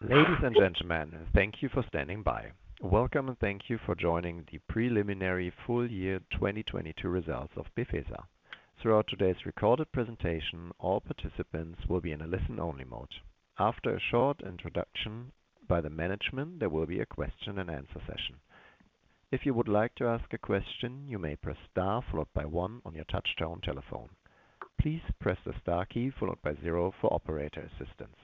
Ladies and gentlemen, thank you for standing by. Welcome, and thank you for joining the preliminary full year 2022 results of Befesa. Throughout today's recorded presentation, all participants will be in a listen only mode. After a short introduction by the management, there will be a question and answer session. If you would like to ask a question, you may press star followed by one on your touchtone telephone. Please press the star key followed by 0 for operator assistance.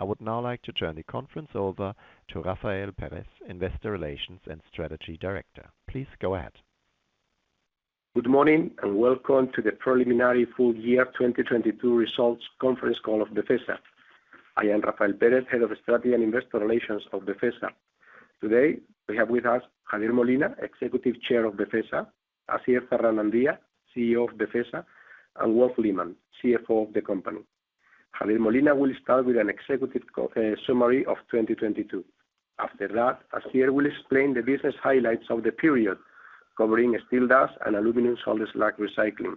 I would now like to turn the conference over to Rafael Pérez, Investor Relations and Strategy Director. Please go ahead. Good morning, and welcome to the preliminary full year 2022 results conference call of Befesa. I am Rafael Pérez, Head of Strategy and Investor Relations of Befesa. Today, we have with us Javier Molina, Executive Chair of Befesa, Asier Zarraonandia, CEO of Befesa, and Wolf Lehmann, CFO of the company. Javier Molina will start with an executive summary of 2022. After that, Asier will explain the business highlights of the period covering steel dust and aluminium salt slag recycling.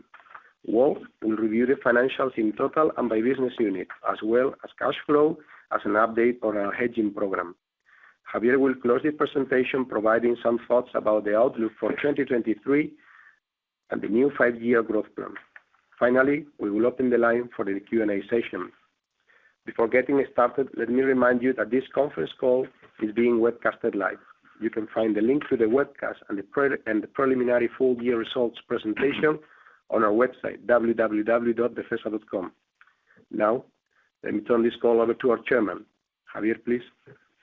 Wolf will review the financials in total and by business unit, as well as cash flow as an update on our hedging program. Javier will close the presentation, providing some thoughts about the outlook for 2023 and the new five-year growth plan. Finally, we will open the line for the Q&A session. Before getting started, let me remind you that this conference call is being webcasted live. You can find the link to the webcast and the preliminary full year results presentation on our website, www.befesa.com. Now, let me turn this call over to our Chairman. Javier, please.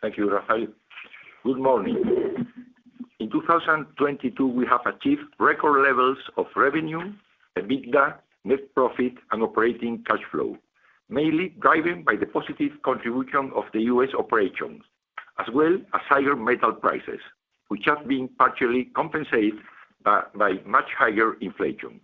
Thank you, Rafael. Good morning. In 2022, we have achieved record levels of revenue, EBITDA, net profit, and operating cash flow, mainly driven by the positive contribution of the US operations, as well as higher metal prices, which have been partially compensated by much higher inflation.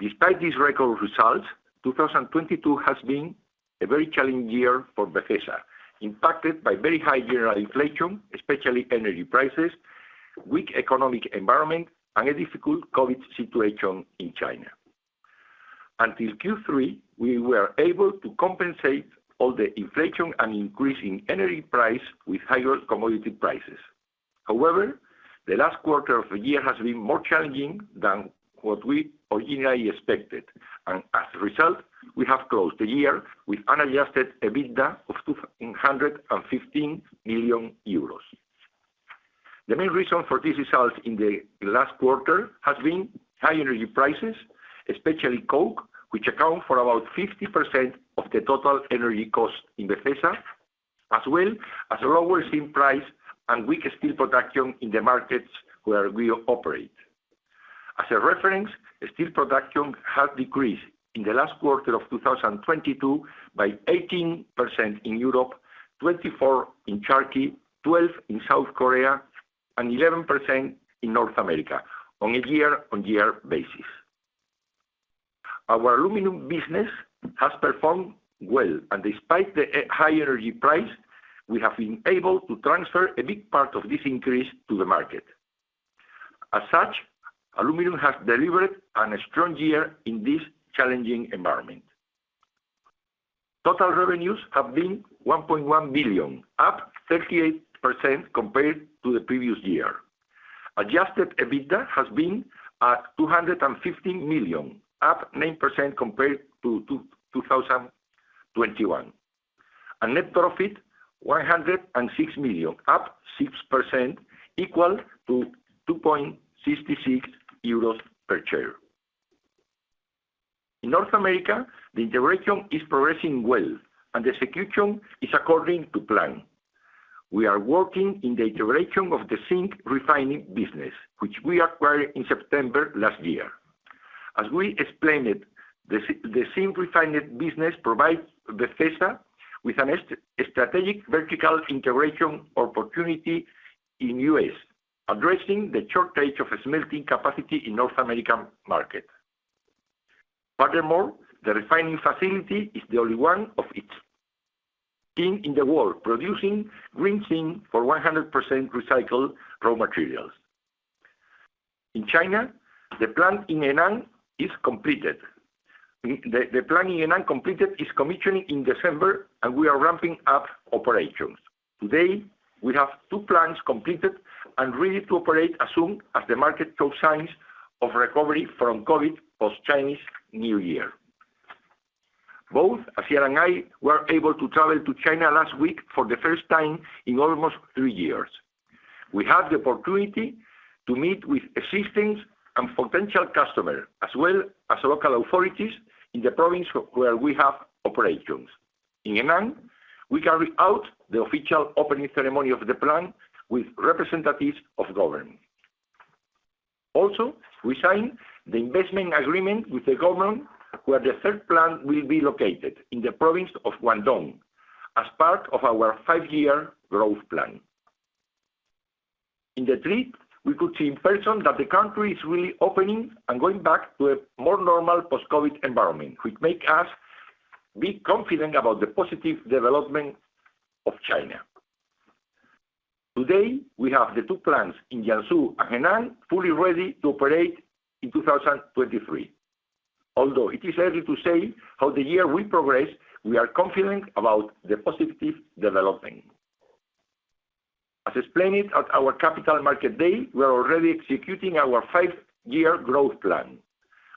Despite these record results, 2022 has been a very challenging year for Befesa, impacted by very high general inflation, especially energy prices, weak economic environment, and a difficult COVID situation in China. Until Q3, we were able to compensate all the inflation and increasing energy price with higher commodity prices. The last quarter of the year has been more challenging than what we originally expected. As a result, we have closed the year with unadjusted EBITDA of 215 million euros. The main reason for this result in the last quarter has been high energy prices, especially coke, which account for about 50% of the total energy cost in Befesa, as well as lower zinc price and weak steel production in the markets where we operate. As a reference, steel production has decreased in the last quarter of 2022 by 18% in Europe, 24 in Turkey, 12 in South Korea, and 11% in North America on a year-on-year basis. Our aluminum business has performed well, and despite the high energy price, we have been able to transfer a big part of this increase to the market. As such, aluminum has delivered an strong year in this challenging environment. Total revenues have been 1.1 billion, up 38% compared to the previous year. Adjusted EBITDA has been at 215 million, up 9% compared to 2021. Net profit, 106 million, up 6% equal to 2.66 euros per share. In North America, the integration is progressing well, the execution is according to plan. We are working in the integration of the zinc refining business, which we acquired in September last year. As we explained, the zinc refining business provides Befesa with a strategic vertical integration opportunity in the U.S., addressing the shortage of smelting capacity in the North American market. Furthermore, the refining facility is the only one of its kind in the world, producing green zinc for 100% recycled raw materials. In China, the plant in Henan is completed. The plant in Henan completed its commissioning in December, we are ramping up operations. Today, we have two plants completed and ready to operate as soon as the market shows signs of recovery from COVID post-Chinese New Year. Both Asier and I were able to travel to China last week for the first time in almost three years. We had the opportunity to meet with existing and potential customer, as well as local authorities in the province where we have operations. In Henan, we carried out the official opening ceremony of the plant with representatives of government. We signed the investment agreement with the government, where the third plant will be located in the province of Guangdong as part of our five-year growth plan. In the trip, we could see in person that the country is really opening and going back to a more normal post-COVID environment, which make us be confident about the positive development of China. Today, we have the two plants in Jiangsu and Henan fully ready to operate in 2023. Although it is early to say how the year will progress, we are confident about the positive developing. As explained at our Capital Markets Day, we are already executing our five-year growth plan.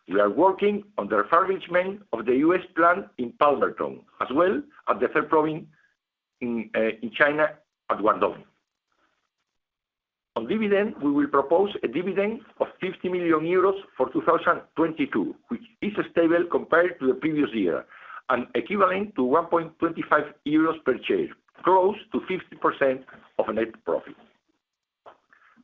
We are working on the refurbishment of the U.S. plant in Palmerton, as well as the third province in China at Guangdong. On dividend, we will propose a dividend of 50 million euros for 2022, which is stable compared to the previous year and equivalent to 1.25 euros per share, close to 50% of net profit.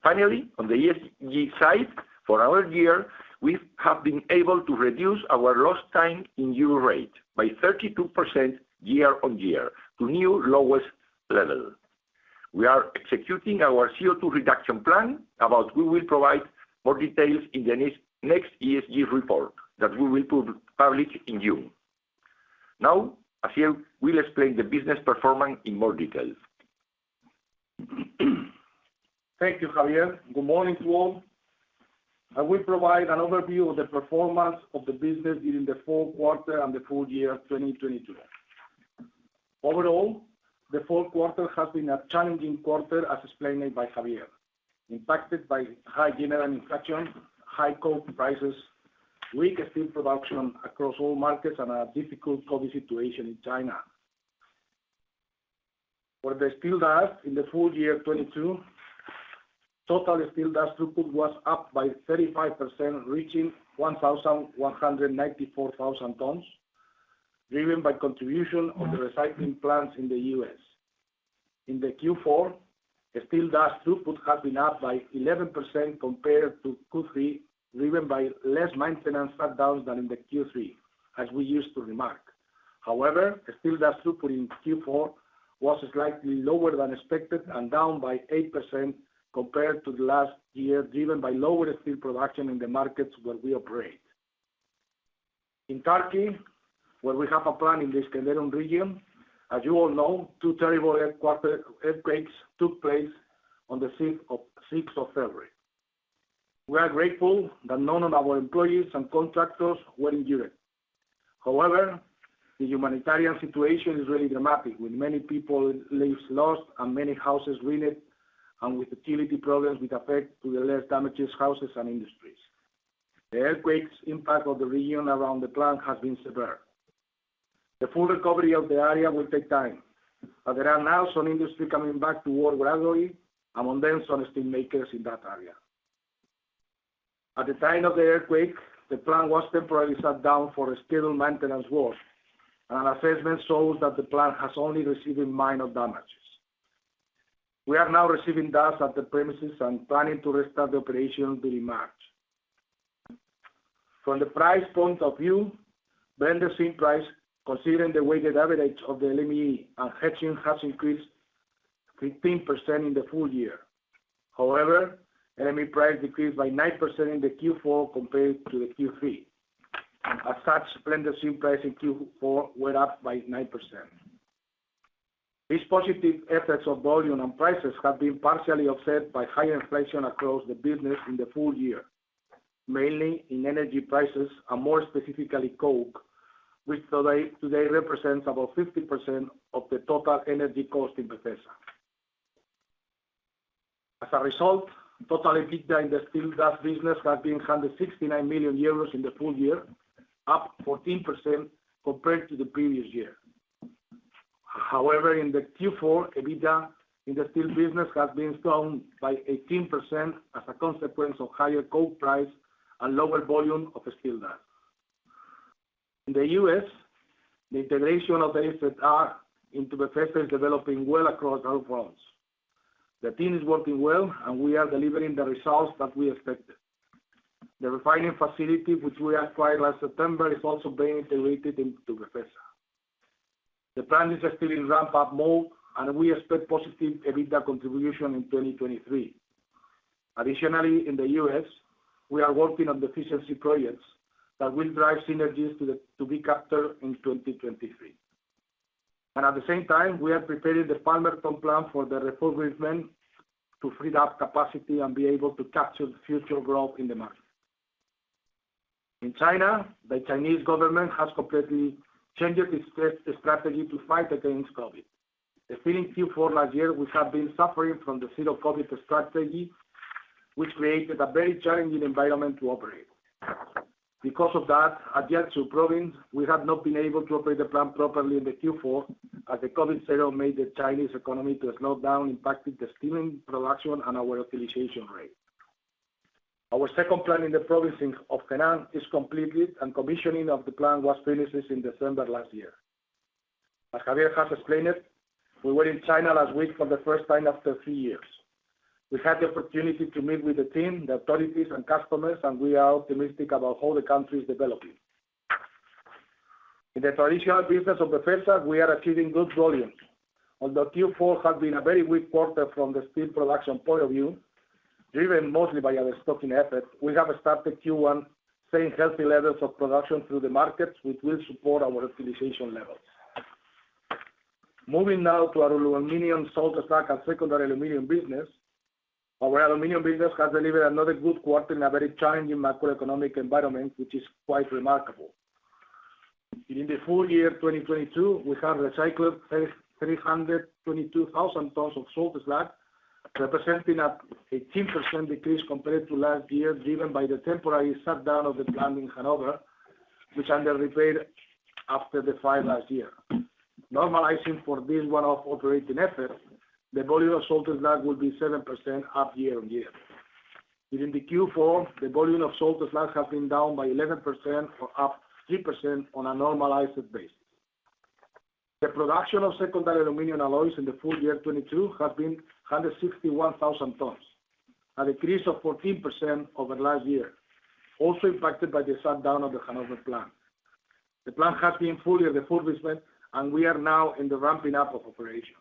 On the ESG side for our year, we have been able to reduce our lost time injury rate by 32% year-on-year to new lowest level. We are executing our CO2 reduction plan about we will provide more details in the next ESG report that we will publish in June. Javier will explain the business performance in more detail. Thank you, Javier. Good morning to all. I will provide an overview of the performance of the business during Q4 and the full year 2022. Overall, Q4 has been a challenging quarter as explained by Javier, impacted by high general inflation, high coke prices, weak steel production across all markets, and a difficult COVID situation in China. For the steel dust, in the full year 2022, total steel dust throughput was up by 35%, reaching 1,194,000 tons, driven by contribution of the recycling plants in the U.S. In the Q4, the steel dust throughput has been up by 11% compared to Q3, driven by less maintenance shutdowns than in the Q3, as we used to remark. Steel dust throughput in Q4 was slightly lower than expected and down by 8% compared to last year, driven by lower steel production in the markets where we operate. In Turkey, where we have a plant in the Iskenderun region, as you all know, two terrible earthquakes took place on the sixth of February. We are grateful that none of our employees and contractors were injured. The humanitarian situation is really dramatic, with many people lives lost and many houses ruined, and with utility problems which affect to the less damaged houses and industries. The earthquake's impact of the region around the plant has been severe. The full recovery of the area will take time, there are now some industry coming back to work gradually, among them some steelmakers in that area. At the time of the earthquake, the plant was temporarily shut down for a scheduled maintenance work. Assessment shows that the plant has only received minor damages. We are now receiving dust at the premises and planning to restart the operation during March. From the price point of view, blended zinc price, considering the weighted average of the LME and hedging, has increased 15% in the full year. LME price decreased by 9% in the Q4 compared to the Q3. blended zinc price in Q4 went up by 9%. These positive effects of volume and prices have been partially offset by high inflation across the business in the full year, mainly in energy prices and more specifically coke, which today represents about 50% of the total energy cost in Preinsa. Total EBITDA in the steel dust business has been 169 million euros in the full year, up 14% compared to the previous year. In the Q4, EBITDA in the steel business has been down by 18% as a consequence of higher coke price and lower volume of steel dust. In the U.S., the integration of the asset R into Preinsa is developing well across all fronts. The team is working well, and we are delivering the results that we expected. The refining facility, which we acquired last September, is also being integrated into Preinsa. The plant is still in ramp up mode, and we expect positive EBITDA contribution in 2023. In the U.S., we are working on the efficiency projects that will drive synergies to be captured in 2023. At the same time, we are preparing the Palmerton plant for the refurbishment to free up capacity and be able to capture the future growth in the market. In China, the Chinese government has completely changed its strategy to fight against COVID. Since Q4 last year, we have been suffering from the zero-COVID strategy, which created a very challenging environment to operate. Because of that, at Jiangsu province, we have not been able to operate the plant properly in the Q4, as the COVID zero made the Chinese economy to slow down, impacted the steel production and our utilization rate. Our second plant in the province of Henan is completed, and commissioning of the plant was finished in December last year. As Javier has explained, we were in China last week for the first time after three years. We had the opportunity to meet with the team, the authorities, and customers. We are optimistic about how the country is developing. In the traditional business of Preinsa, we are achieving good volumes. Although Q4 has been a very weak quarter from the steel production point of view. Driven mostly by our stocking effort, we have started Q1 seeing healthy levels of production through the markets, which will support our utilization levels. Moving now to our aluminum salt slag and secondary aluminum business. Our aluminum business has delivered another good quarter in a very challenging macroeconomic environment, which is quite remarkable. In the full year 2022, we have recycled 322,000 tons of salt slag, representing an 18% decrease compared to last year, driven by the temporary shutdown of the plant in Hanover, which under repaired after the fire last year. Normalizing for this one-off operating effort, the volume of salt slag will be 7% up year-on-year. Within the Q4, the volume of salt slag has been down by 11% or up 3% on a normalized base. The production of secondary aluminium alloys in the full year 2022 has been 161,000 tons, a decrease of 14 over last year, also impacted by the shutdown of the Hanover plant. The plant has been fully refurbishment, and we are now in the ramping up of operations.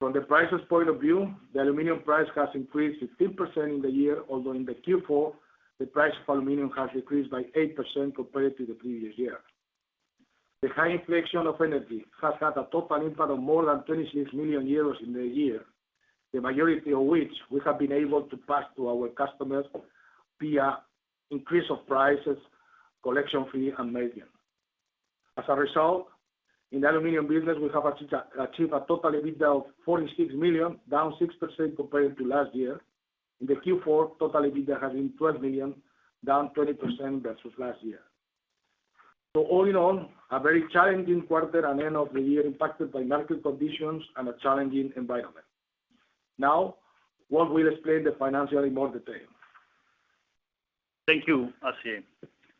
From the prices point of view, the aluminium price has increased 15% in the year, although in the Q4, the price of aluminium has decreased by 8% compared to the previous year. The high inflation of energy has had a total impact of more than 26 million euros in the year, the majority of which we have been able to pass to our customers via increase of prices, collection fee, and margin. As a result, in the aluminium business, we have achieved a total EBITDA of 46 million, down 6% compared to last year. In the Q4, total EBITDA has been 12 million, down 20% versus last year. All in all, a very challenging quarter and end of the year impacted by market conditions and a challenging environment. Now, Wolf will explain the financially more detail. Thank you, Asier.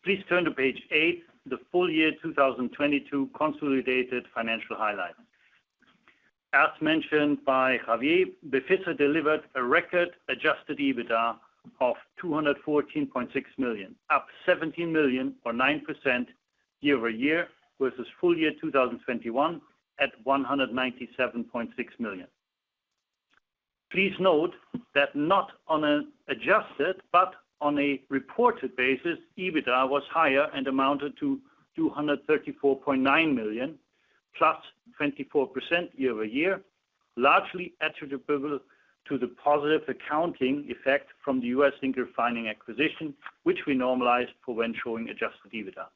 Please turn to page eight, the full year 2022 consolidated financial highlights. As mentioned by Javier, Befesa delivered a record adjusted EBITDA of 214.6 million, up 17 million or 9% year-over-year versus full year 2021 at 197.6 million. Please note that not on an adjusted, but on a reported basis, EBITDA was higher and amounted to 234.9 million, +24% year-over-year, largely attributable to the positive accounting effect from the US Zinc refining acquisition, which we normalized for when showing adjusted EBITDA.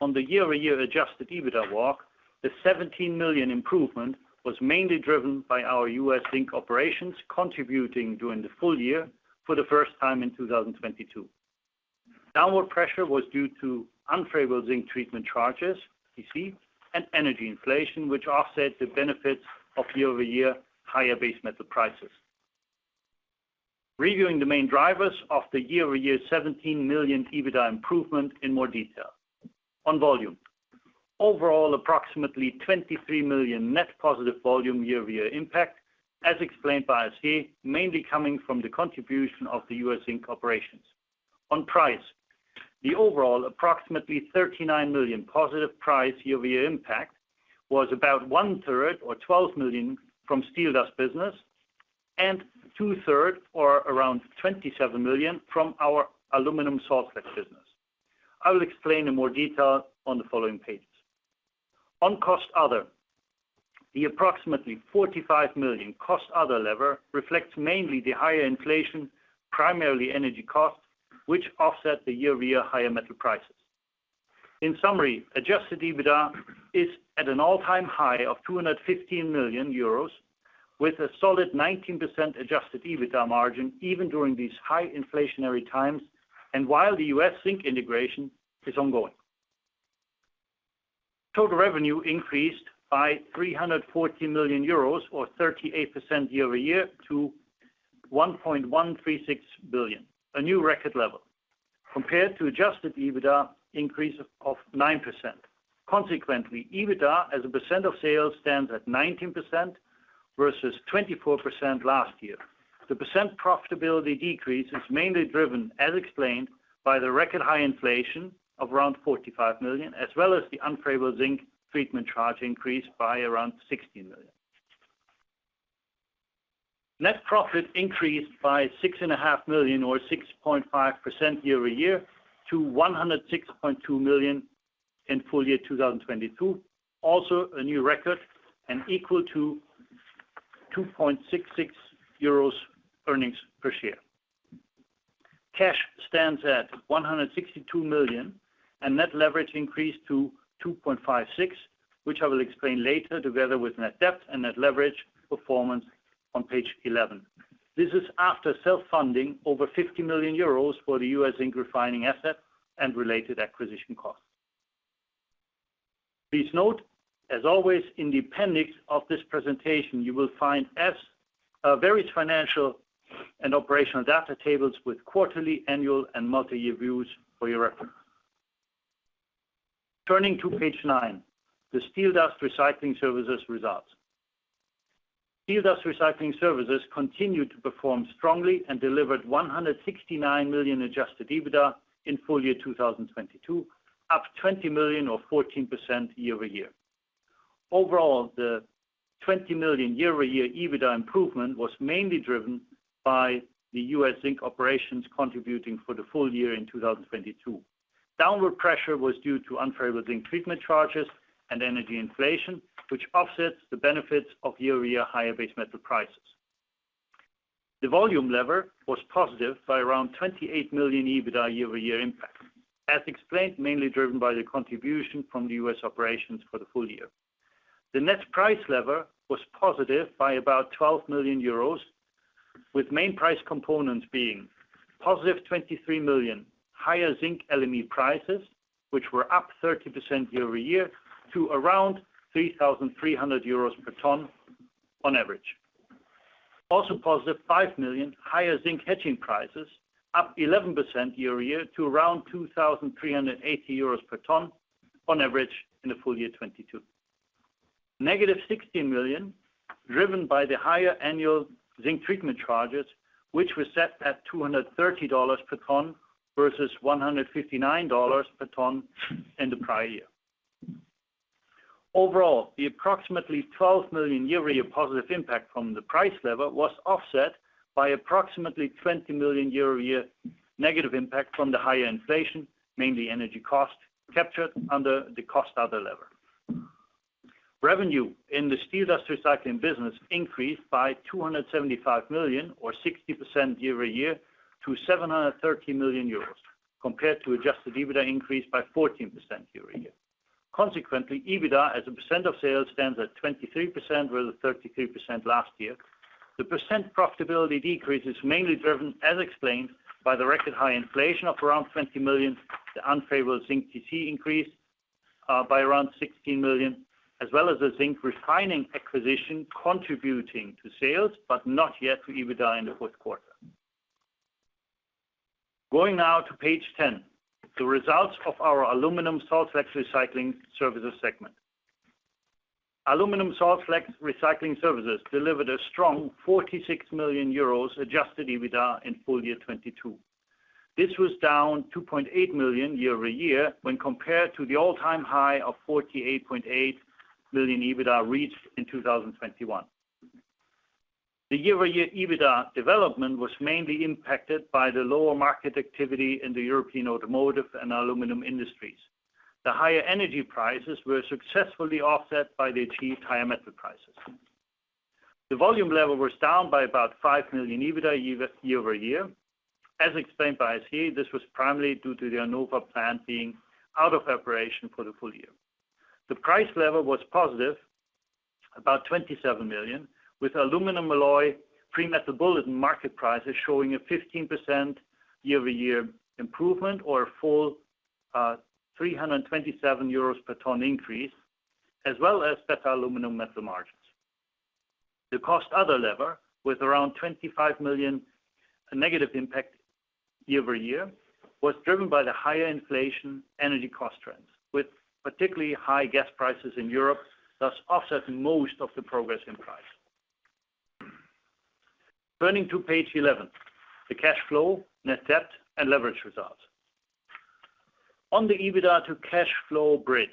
On the year-over-year adjusted EBITDA walk, the 17 million improvement was mainly driven by our US Zinc operations contributing during the full year for the first time in 2022. Downward pressure was due to unfavorable zinc treatment charges, TC, and energy inflation, which offset the benefits of year-over-year higher base metal prices. Reviewing the main drivers of the year-over-year 17 million EBITDA improvement in more detail. On volume, overall, approximately 23 million net positive volume year-over-year impact, as explained by Asier, mainly coming from the contribution of the US Zinc operations. On price, the overall approximately 39 million positive price year-over-year impact was about one-third or 12 million from steel dust business and two-third or around 27 million from our aluminum salt slag business. I will explain in more detail on the following pages. On cost other, the approximately 45 million cost other lever reflects mainly the higher inflation, primarily energy costs, which offset the year-over-year higher metal prices. In summary, adjusted EBITDA is at an all-time high of 215 million euros with a solid 19% adjusted EBITDA margin even during these high inflationary times and while the US Zinc integration is ongoing. Total revenue increased by 314 million euros or 38% year-over-year to 1.136 billion, a new record level, compared to adjusted EBITDA increase of 9%. Consequently, EBITDA as a percent of sales stands at 19% versus 24% last year. The percent profitability decrease is mainly driven, as explained, by the record high inflation of around 45 million, as well as the unfavorable zinc treatment charge increase by around 60 million. Net profit increased by six and a half million or 6.5% year-over-year to 106.2 million in full year 2022, also a new record and equal to 2.66 euros earnings per share. Cash stands at 162 million, and net leverage increased to 2.56, which I will explain later together with net debt and net leverage performance on page 11. This is after self-funding over 50 million euros for the US Zinc refining asset and related acquisition costs. Please note, as various financial and operational data tables with quarterly, annual, and multi-year views for your record. Turning to page 9, the steel dust recycling services results. Steel dust recycling services continued to perform strongly and delivered 169 million adjusted EBITDA in full year 2022, up 20 million or 14% year-over-year. Overall, the 20 million year-over-year EBITDA improvement was mainly driven by the US Zinc operations contributing for the full year in 2022. Downward pressure was due to unfavorable zinc treatment charges and energy inflation, which offsets the benefits of year-over-year higher base metal prices. The volume lever was positive by around 28 million EBITDA year-over-year impact, as explained, mainly driven by the contribution from the US operations for the full year. The net price lever was positive by about 12 million euros, with main price components being positive 23 million, higher zinc LME prices, which were up 30% year-over-year to around 3,300 euros per ton on average. Also positive, 5 million higher zinc hedging prices, up 11% year-over-year to around 2,380 euros per ton on average in the full year 2022. Negative 16 million, driven by the higher annual zinc treatment charges, which were set at $230 per ton versus $159 per ton in the prior year. Overall, the approximately 12 million year-over-year positive impact from the price lever was offset by approximately 20 million year-over-year negative impact from the higher inflation, mainly energy cost, captured under the cost other lever. Revenue in the steel dust recycling business increased by 275 million or 60% year-over-year to 730 million euros, compared to adjusted EBITDA increase by 14% year-over-year. Consequently, EBITDA as a percent of sales stands at 23% rather than 33% last year. The % profitability decrease is mainly driven, as explained, by the record high inflation of around 20 million, the unfavorable zinc TC increase by around 16 million, as well as the zinc refining acquisition contributing to sales, but not yet to EBITDA in Q4. Going now to page 10, the results of our aluminum salt slags recycling services segment. Aluminum salt slags recycling services delivered a strong 46 million euros adjusted EBITDA in full year 2022. This was down 2.8 million year-over-year when compared to the all-time high of 48.8 million EBITDA reached in 2021. The year-over-year EBITDA development was mainly impacted by the lower market activity in the European automotive and aluminum industries. The higher energy prices were successfully offset by the achieved higher metal prices. The volume level was down by about 5 million EBITDA year-over-year. As explained by Asier, this was primarily due to the Hanover plant being out of operation for the full year. The price level was positive, about 27 million, with aluminum alloy Metal Bulletin market prices showing a 15% year-over-year improvement or a full 327 euros per ton increase, as well as better aluminum metal margins. The cost other lever, with around 25 million negative impact year-over-year, was driven by the higher inflation energy cost trends, with particularly high gas prices in Europe, thus offsetting most of the progress in price. Turning to page 11, the cash flow, net debt, and leverage results. On the EBITDA to cash flow bridge,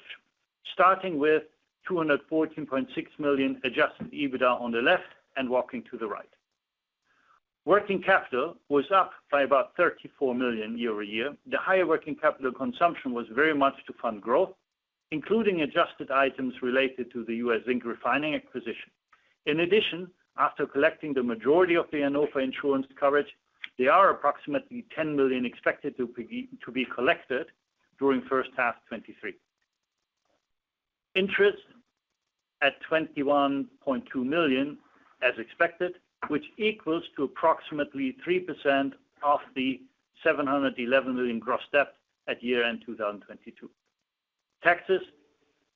starting with 214.6 million adjusted EBITDA on the left and walking to the right. Working capital was up by about 34 million euro year-over-year. The higher working capital consumption was very much to fund growth, including adjusted items related to the US zinc refining acquisition. In addition, after collecting the majority of the Hanover insurance coverage, there are approximately 10 million expected to be collected during first half 2023. Interest at 21.2 million as expected, which equals to approximately 3% of the 711 million gross debt at year-end 2022. Taxes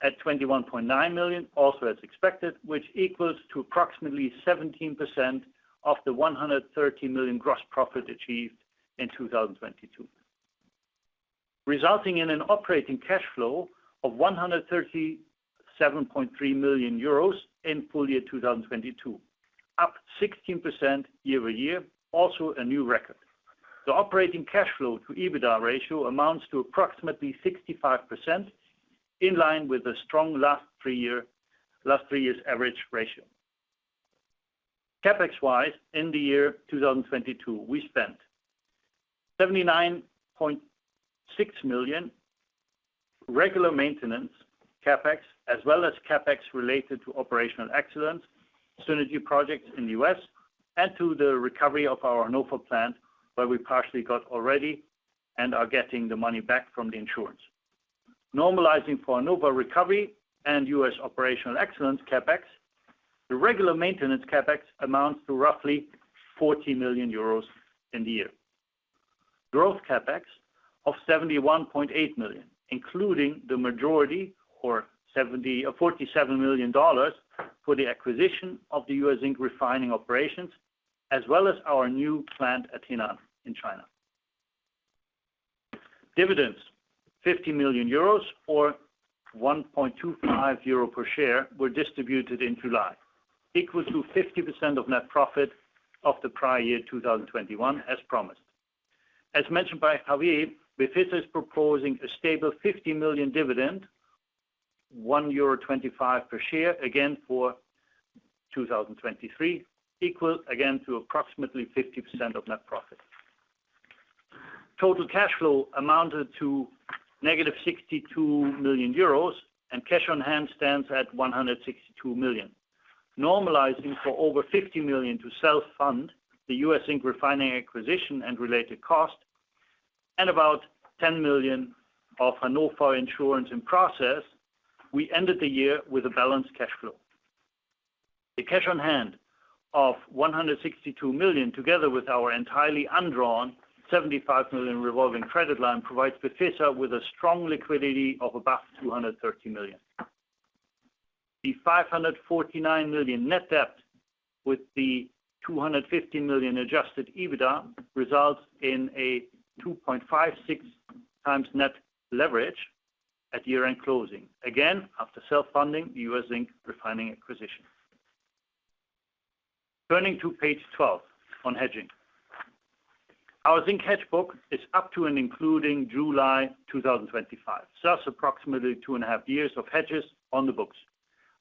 at 21.9 million, also as expected, which equals to approximately 17% of the 113 million gross profit achieved in 2022, resulting in an operating cash flow of 137.3 million euros in full year 2022, up 16% year-over-year, also a new record. The operating cash flow to EBITDA ratio amounts to approximately 65%, in line with the strong last three years average ratio. CapEx-wise, in the year 2022, we spent 79.6 million regular maintenance CapEx, as well as CapEx related to operational excellence, synergy projects in the US, and to the recovery of our Hanover plant, where we partially got already and are getting the money back from the insurance. Normalizing for Hanover recovery and US operational excellence CapEx, the regular maintenance CapEx amounts to roughly 40 million euros in the year. Growth CapEx of 71.8 million, including the majority or $47 million for the acquisition of the US zinc refining operations, as well as our new plant at Henan in China. Dividends, 50 million euros or 1.25 euro per share, were distributed in July, equal to 50% of net profit of the prior year, 2021, as promised. As mentioned by Javier, Befesa is proposing a stable 50 million dividend, 1.25 euro per share, again for 2023, equal again to approximately 50% of net profit. Total cash flow amounted to negative 62 million euros, and cash on hand stands at 162 million. Normalizing for over 50 million to self-fund the US Zinc refining acquisition and related cost and about 10 million of Hanover insurance in process, we ended the year with a balanced cash flow. The cash on hand of 162 million, together with our entirely undrawn 75 million revolving credit line, provides Befesa with a strong liquidity of about 230 million. The 549 million net debt, with the 250 million adjusted EBITDA, results in a 2.56x net leverage at year-end closing, again, after self-funding the US Zinc refining acquisition. Turning to page 12 on hedging. Our zinc hedge book is up to and including July 2025. That's approximately two and a half years of hedges on the books.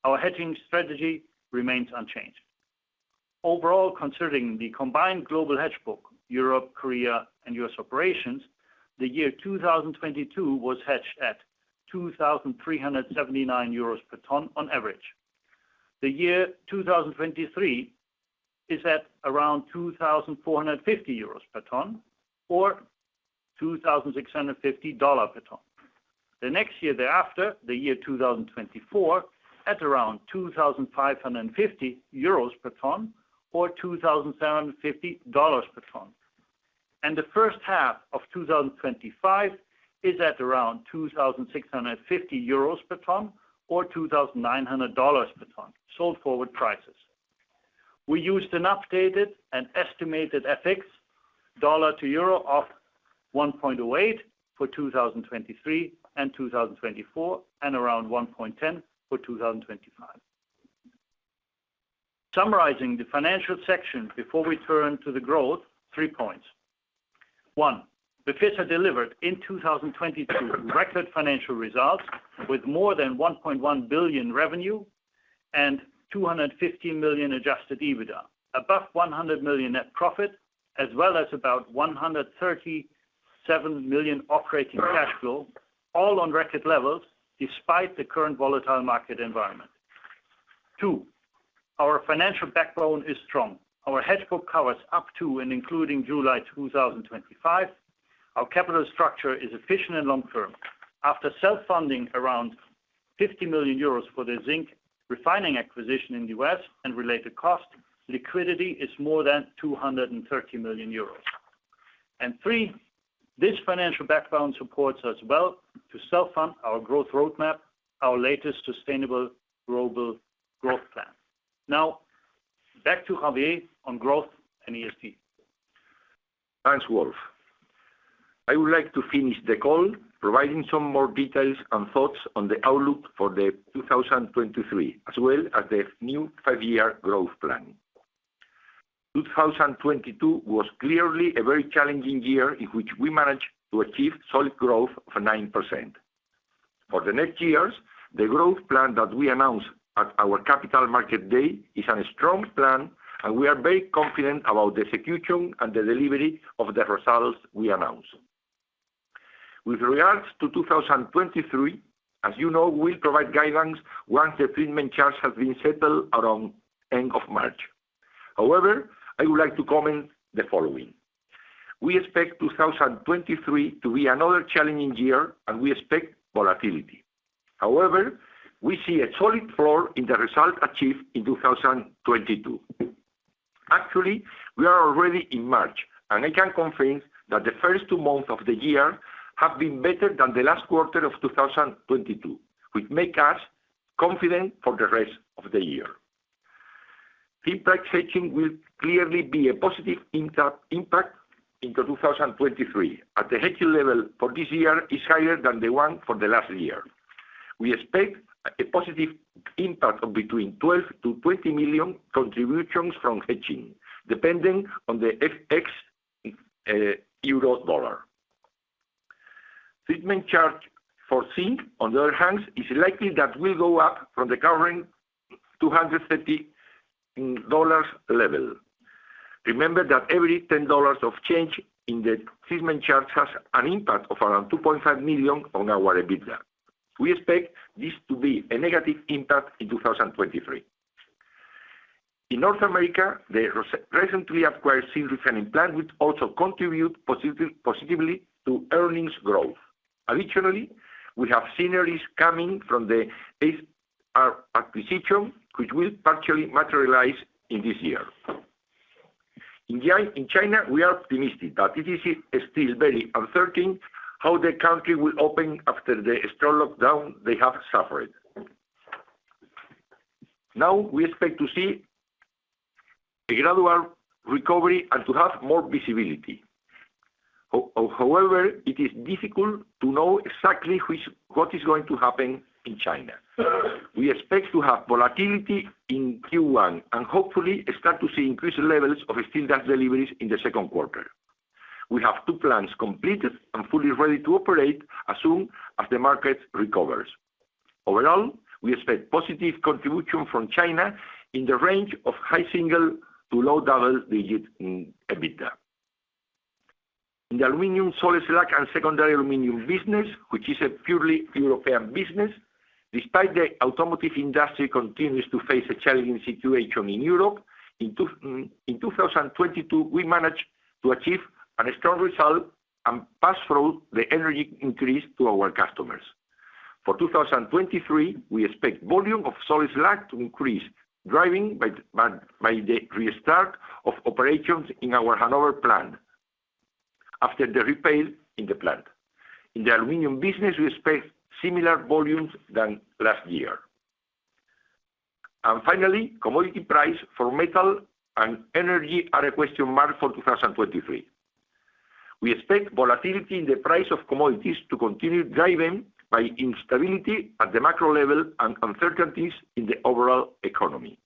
Our hedging strategy remains unchanged. Overall, considering the combined global hedge book, Europe, Korea, and US operations, the year 2022 was hedged at 2,379 euros per ton on average. The year 2023 is at around 2,450 euros per ton or $2,650 per ton. The next year thereafter, the year 2024, at around 2,550 euros per ton or $2,750 per ton. The first half of 2025 is at around 2,650 euros per ton or $2,900 per ton, sold forward prices. We used an updated and estimated FX dollar to euro of 1.08 for 2023 and 2024, and around 1.10 for 2025. Summarizing the financial section before we turn to the growth, three points. One, Befesa delivered in 2022, record financial results with more than 1.1 billion revenue and 250 million adjusted EBITDA, above 100 million net profit, as well as about 137 million operating cash flow, all on record levels despite the current volatile market environment. Two, our financial backbone is strong. Our hedge book covers up to and including July 2025. Our capital structure is efficient and long-term. After self-funding around 50 million euros for the zinc refining acquisition in the US and related cost, liquidity is more than 230 million euros. Three, this financial backbone supports us well to self-fund our growth roadmap, our latest Sustainable Global Growth Plan. Now, back to Javier on growth and ESG. Thanks, Wolf. I would like to finish the call providing some more details and thoughts on the outlook for 2023, as well as the new five-year growth plan. 2022 was clearly a very challenging year in which we managed to achieve solid growth of 9%. For the next years, the growth plan that we announced at our Capital Markets Day is a strong plan, and we are very confident about the execution and the delivery of the results we announced. With regards to 2023, as you know, we'll provide guidance once the treatment charge has been settled around end of March. However, I would like to comment the following. We expect 2023 to be another challenging year, and we expect volatility. However, we see a solid floor in the result achieved in 2022. Actually, we are already in March, and I can confirm that the first two months of the year have been better than the last quarter of 2022, which make us confident for the rest of the year. Impact hedging will clearly be a positive impact into 2023 as the hedging level for this year is higher than the one for the last year. We expect a positive impact of between 12 million-20 million contributions from hedging, depending on the FX, euro dollar. Treatment charge for zinc, on the other hand, is likely that will go up from the current $230 level. Remember that every $10 of change in the treatment charge has an impact of around $2.5 million on our EBITDA. We expect this to be a negative impact in 2023. In North America, the recently acquired zinc refining plant, which also contribute positively to earnings growth. Additionally, we have synergies coming from the Befesa acquisition, which will partially materialize in this year. In China, we are optimistic, but it is still very uncertain how the country will open after the strong lockdown they have suffered. We expect to see a gradual recovery and to have more visibility. However, it is difficult to know exactly what is going to happen in China. We expect to have volatility in Q1 and hopefully start to see increased levels of steel dust deliveries in the second quarter. We have two plants completed and fully ready to operate as soon as the market recovers. Overall, we expect positive contribution from China in the range of high single to low double digits in EBITDA. In the aluminum salt slag and secondary aluminum business, which is a purely European business, despite the automotive industry continues to face a challenging situation in Europe, in 2022, we managed to achieve a strong result and pass through the energy increase to our customers. For 2023, we expect volume of salt slag to increase driving by the restart of operations in our Hanover plant after the repair in the plant. In the aluminum business, we expect similar volumes than last year. Finally, commodity price for metal and energy are a question mark for 2023. We expect volatility in the price of commodities to continue, driven by instability at the macro level and uncertainties in the overall economy.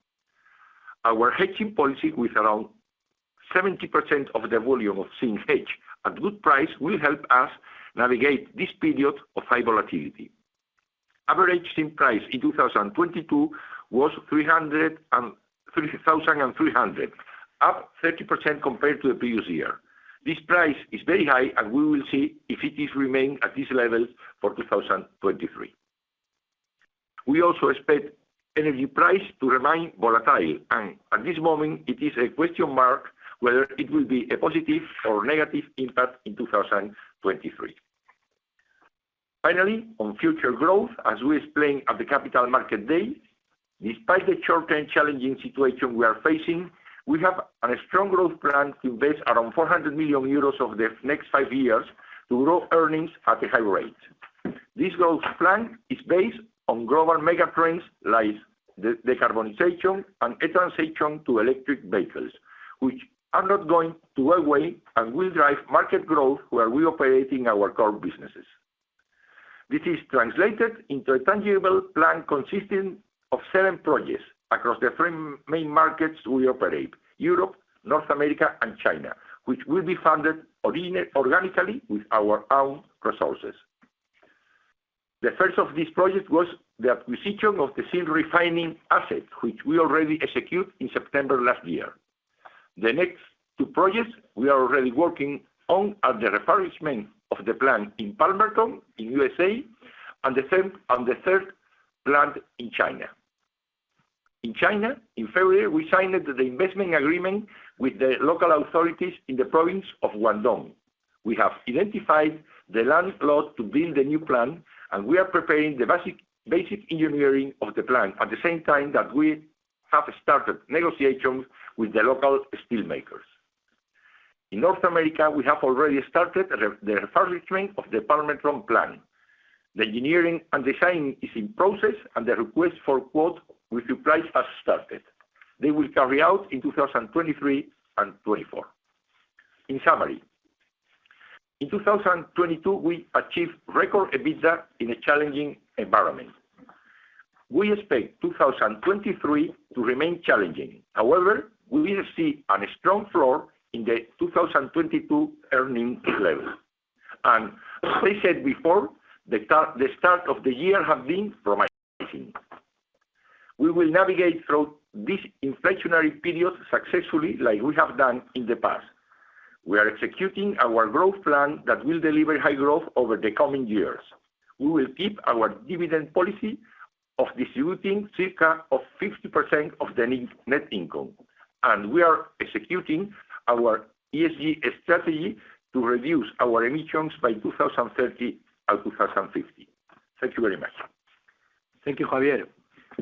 Our hedging policy with around 70% of the volume of zinc hedged at good price will help us navigate this period of high volatility. Average zinc price in 2022 was 3,300, up 30% compared to the previous year. This price is very high, and we will see if it is remain at this level for 2023. We also expect energy price to remain volatile. At this moment, it is a question mark whether it will be a positive or negative impact in 2023. Finally, on future growth, as we explained at the Capital Markets Day, despite the short-term challenging situation we are facing, we have a strong growth plan to invest around 400 million euros over the next five years to grow earnings at a high rate. This growth plan is based on global mega trends like the decarbonization and transition to electric vehicles, which are not going to go away and will drive market growth where we operate in our core businesses. This is translated into a tangible plan consisting of seven projects across the three main markets we operate, Europe, North America, and China, which will be funded organically with our own resources. The first of this project was the acquisition of the zinc refining asset, which we already execute in September last year. The next two projects we are already working on are the refurbishment of the plant in Palmerton in U.S.A. and the third plant in China. In China, in February, we signed the investment agreement with the local authorities in the province of Guangdong. We have identified the land plot to build a new plant. We are preparing the basic engineering of the plant at the same time that we have started negotiations with the local steel makers. In North America, we have already started the refurbishment of the Palmerton plant. The engineering and design is in process. The request for quote with the price has started. They will carry out in 2023 and 2024. In summary, in 2022, we achieved record EBITDA in a challenging environment. We expect 2023 to remain challenging. However, we will see on a strong floor in the 2022 earning level. As I said before, the start of the year have been promising. We will navigate through this inflationary period successfully like we have done in the past. We are executing our growth plan that will deliver high growth over the coming years. We will keep our dividend policy of distributing circa of 50% of the net income. We are executing our ESG strategy to reduce our emissions by 2030 and 2050. Thank you very much. Thank you, Javier.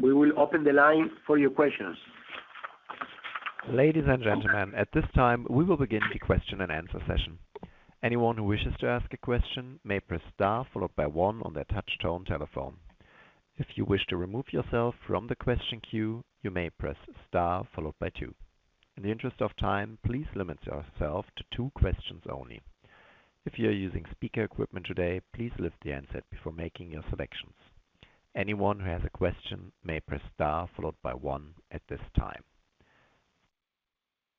We will open the line for your questions. Ladies and gentlemen, at this time, we will begin the question and answer session. Anyone who wishes to ask a question may press star followed by one on their touch tone telephone. If you wish to remove yourself from the question queue, you may press star followed by two. In the interest of time, please limit yourself to two questions only. If you're using speaker equipment today, please lift the handset before making your selections. Anyone who has a question may press star followed by one at this time.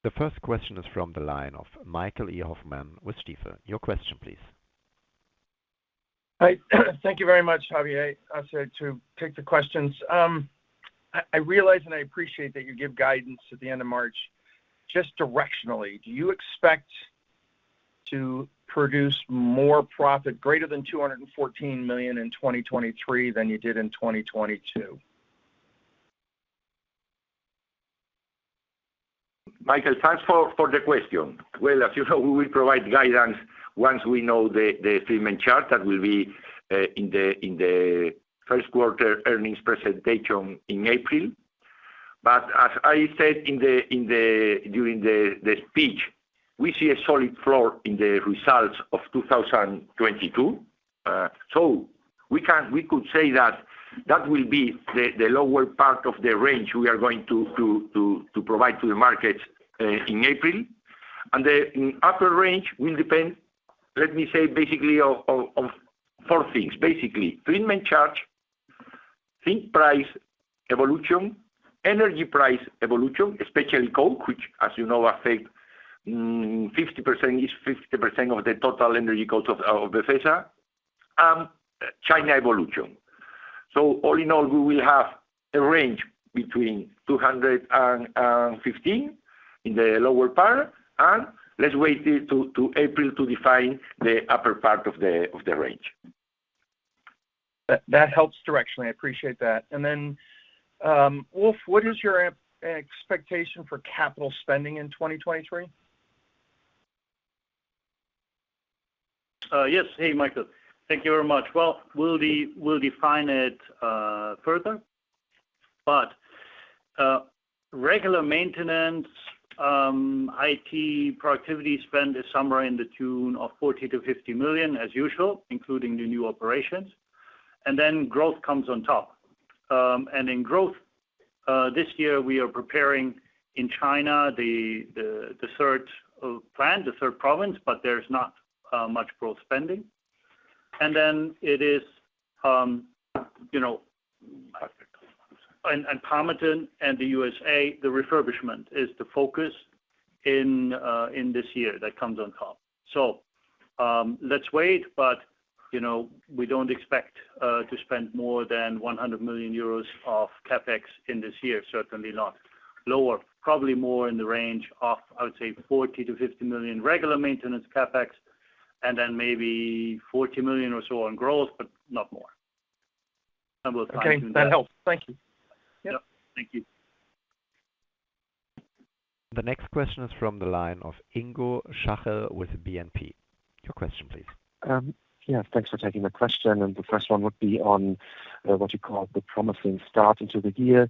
The first question is from the line of Michael E. Hoffman with Stifel. Your question please. Hi. Thank you very much, Javier. I'll start to take the questions. I realize and I appreciate that you give guidance at the end of March. Just directionally, do you expect to produce more profit greater than 214 million in 2023 than you did in 2022? Michael, thanks for the question. Well, as you know, we will provide guidance once we know the treatment charge. That will be in Q1 earnings presentation in April. As I said during the speech, we see a solid floor in the results of 2022. We could say that that will be the lower part of the range we are going to provide to the market in April. The upper range will depend, let me say, basically of four things. Basically, treatment charge. Zinc price evolution, energy price evolution, especially coke, which as you know affect 50% of the total energy cost of Befesa, and China evolution. All in all, we will have a range between 215 in the lower part, and let's wait till April to define the upper part of the range. That helps directionally. I appreciate that. Then, Wolf, what is your expectation for capital spending in 2023? Yes. Hey, Michael. Thank you very much. Well, we'll define it further, but regular maintenance, IT productivity spend is somewhere in the tune of 40 million-50 million as usual, including the new operations, then growth comes on top. In growth this year we are preparing in China the third plant, the third province, but there's not much growth spending. It is, you know, Palmerton and the U.S.A., the refurbishment is the focus in this year that comes on top. Let's wait, but, you know, we don't expect to spend more than 100 million euros of CapEx in this year, certainly not lower. Probably more in the range of, I would say 40 million-50 million regular maintenance CapEx, and then maybe 40 million or so on growth, but not more. Okay. That helps. Thank you. Yep. Thank you. The next question is from the line of Ingo Schachel with BNP. Your question please. Yeah, thanks for taking the question, and the first one would be on what you call the promising start into the year.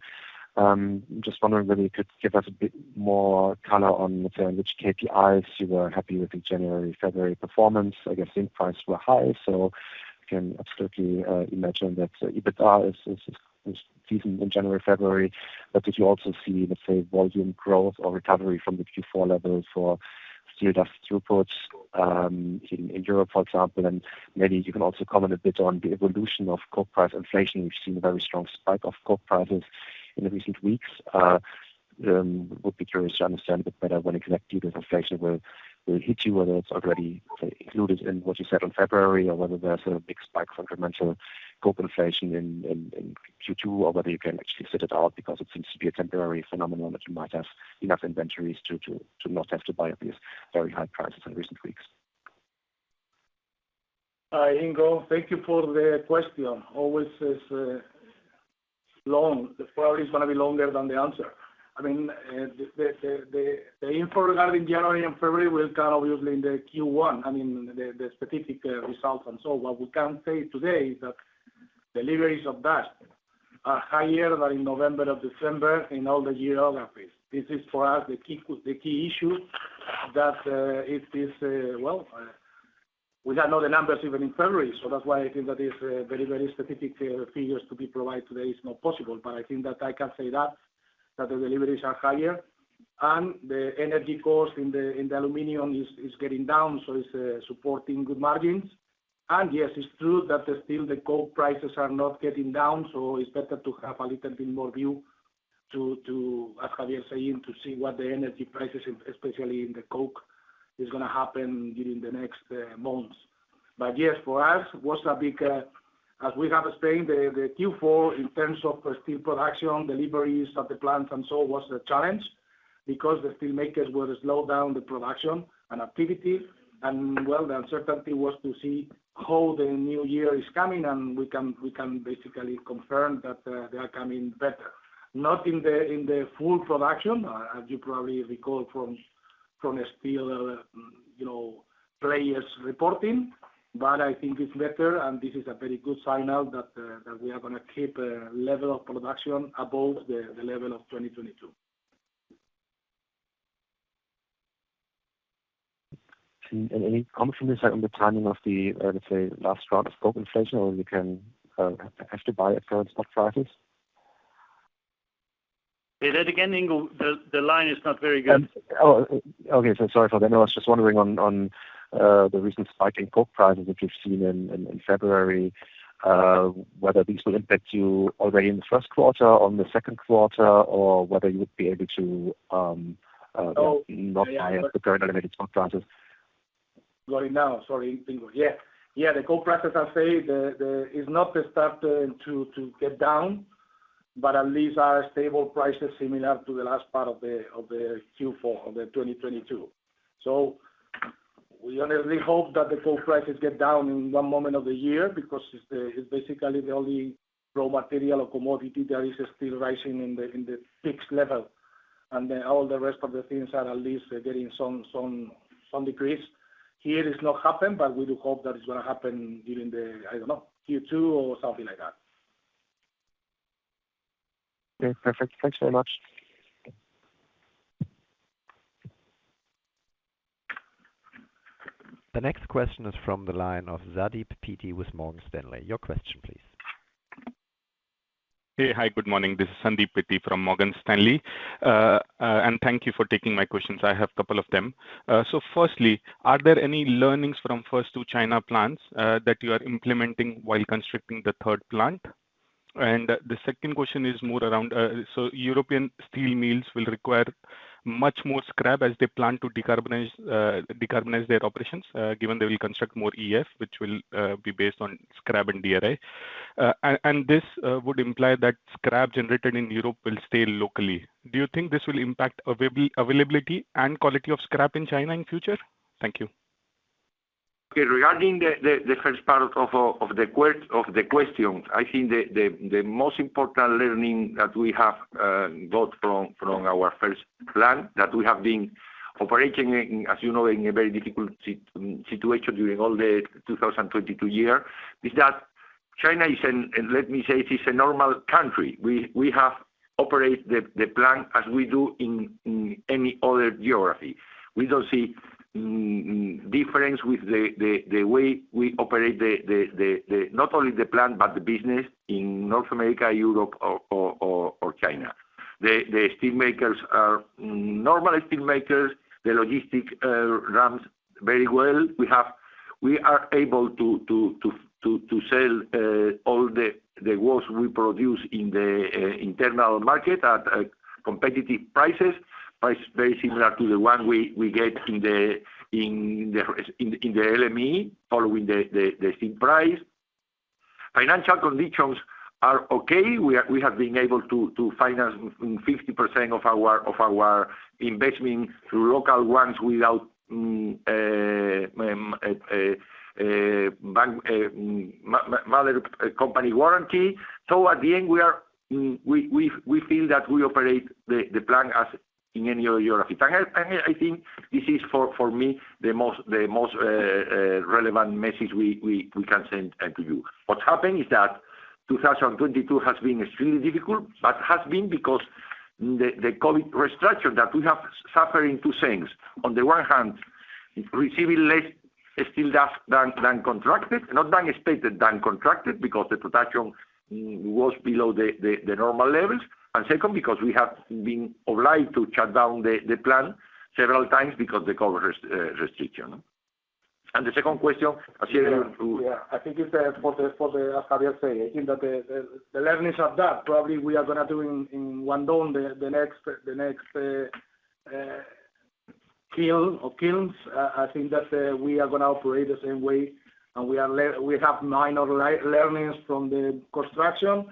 Just wondering whether you could give us a bit more color on, let's say, which KPIs you were happy with in January, February performance. I guess zinc prices were high, so I can absolutely imagine that EBITDA is decent in January, February. Did you also see the same volume growth or recovery from the Q4 levels for steel dust reports in Europe, for example? Maybe you can also comment a bit on the evolution of coke price inflation. We've seen a very strong spike of coke prices in the recent weeks. Would be curious to understand a bit better when exactly this inflation will hit you, whether it's already included in what you said on February or whether there's a big spike from the coke inflation in Q2, or whether you can actually sit it out because it seems to be a temporary phenomenon that you might have enough inventories to not have to buy at these very high prices in recent weeks? Hi, Ingo. Thank you for the question. Always is long. The priority is gonna be longer than the answer. I mean, the info regarding January and February will come obviously in the Q1, I mean, the specific results. What we can say today is that deliveries of that are higher than in November or December in all the geographies. This is for us the key issue that it is, well, we don't know the numbers even in February. That's why I think that is very specific figures to be provided today is not possible. I think that I can say that the deliveries are higher and the energy cost in the aluminum is getting down, so it's supporting good margins. Yes, it's true that the steel, the coke prices are not getting down, so it's better to have a little bit more view to, as Javier saying, to see what the energy prices, especially in the coke, is going to happen during the next months. Yes, for us, it was a big, as we have explained, the Q4 in terms of steel production, deliveries of the plant and so was the challenge because the steel makers were to slow down the production and activity. Well, the uncertainty was to see how the new year is coming, and we can basically confirm that they are coming better. Not in the full production, as you probably recall from a steel, you know, players reporting. I think it's better. This is a very good sign now that we are gonna keep a level of production above the level of 2022. Any comment on the timing of the, let's say, last round of scope inflation or you can have to buy at current stock prices? Say that again, Ingo. The line is not very good. Okay. Sorry for that. I was just wondering on the recent spike in coke prices that you've seen in February, whether these will impact you already in Q1, on Q2, or whether you would be able to not buy at the current limited stock prices. Going now. Sorry, Ingo. Yeah. Yeah. The coke prices, I say the... It's not the start to get down, but at least are stable prices similar to the last part of the Q4 of 2022. We honestly hope that the coke prices get down in one moment of the year because it's basically the only raw material or commodity that is still rising in the fixed level. All the rest of the things are at least getting some decrease. Here it has not happened. We do hope that it's gonna happen during the, I don't know, Q2 or something like that. Okay. Perfect. Thanks so much. The next question is from the line of Sandeep Peety with Morgan Stanley. Your question, please. Hey. Hi. Good morning. This is Sandeep Peety from Morgan Stanley. Thank you for taking my questions. I have couple of them. Firstly, are there any learnings from first two China plants that you are implementing while constructing the third plant? The second question is more around European steel mills will require much more scrap as they plan to decarbonize their operations, given they will construct more EAF, which will be based on scrap and DRI. This would imply that scrap generated in Europe will stay locally. Do you think this will impact availability and quality of scrap in China in future? Thank you. Okay. Regarding the first part of the question, I think the most important learning that we have got from our first plant that we have been operating in, as you know, in a very difficult situation during all the 2022 year, is that China is a normal country. We have operate the plant as we do in any other geography. We don't see difference with the way we operate not only the plant but the business in North America, Europe or China. The steelmakers are normal steelmakers. The logistic runs very well. We are able to sell all the goods we produce in the internal market at competitive prices. Price very similar to the one we get in the LME following the same price. Financial conditions are okay. We have been able to finance 50% of our investment through local ones without a bank mother company warranty. At the end, we feel that we operate the plant as in any other geography. I think this is for me, the most relevant message we can send to you. What happened is that 2022 has been extremely difficult. Has been because the COVID restructure that we have suffering two things. On the one hand, receiving less steel dust than contracted. Not than expected, than contracted because the production was below the normal levels. Second, because we have been obliged to shut down the plant several times because the COVID restriction. The second question. Yeah. Yeah. I think it's what the Javier say. I think that the learnings of that probably we are gonna do in Guangdong the next kiln or kilns. I think that we are gonna operate the same way, and we have minor learnings from the construction.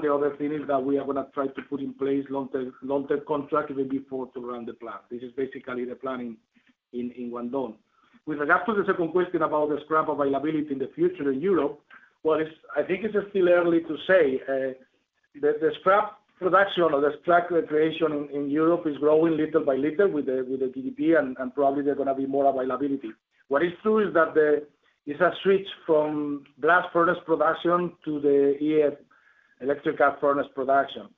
The other thing is that we are gonna try to put in place long-term contract with the default to run the plant, which is basically the planning in Guangdong. With regard to the second question about the scrap availability in the future in Europe, I think it's still early to say. The scrap production or the scrap recreation in Europe is growing little by little with the GDP and probably there gonna be more availability. What is true is that it's a switch from blast furnace production to the EAF, electric arc furnace production.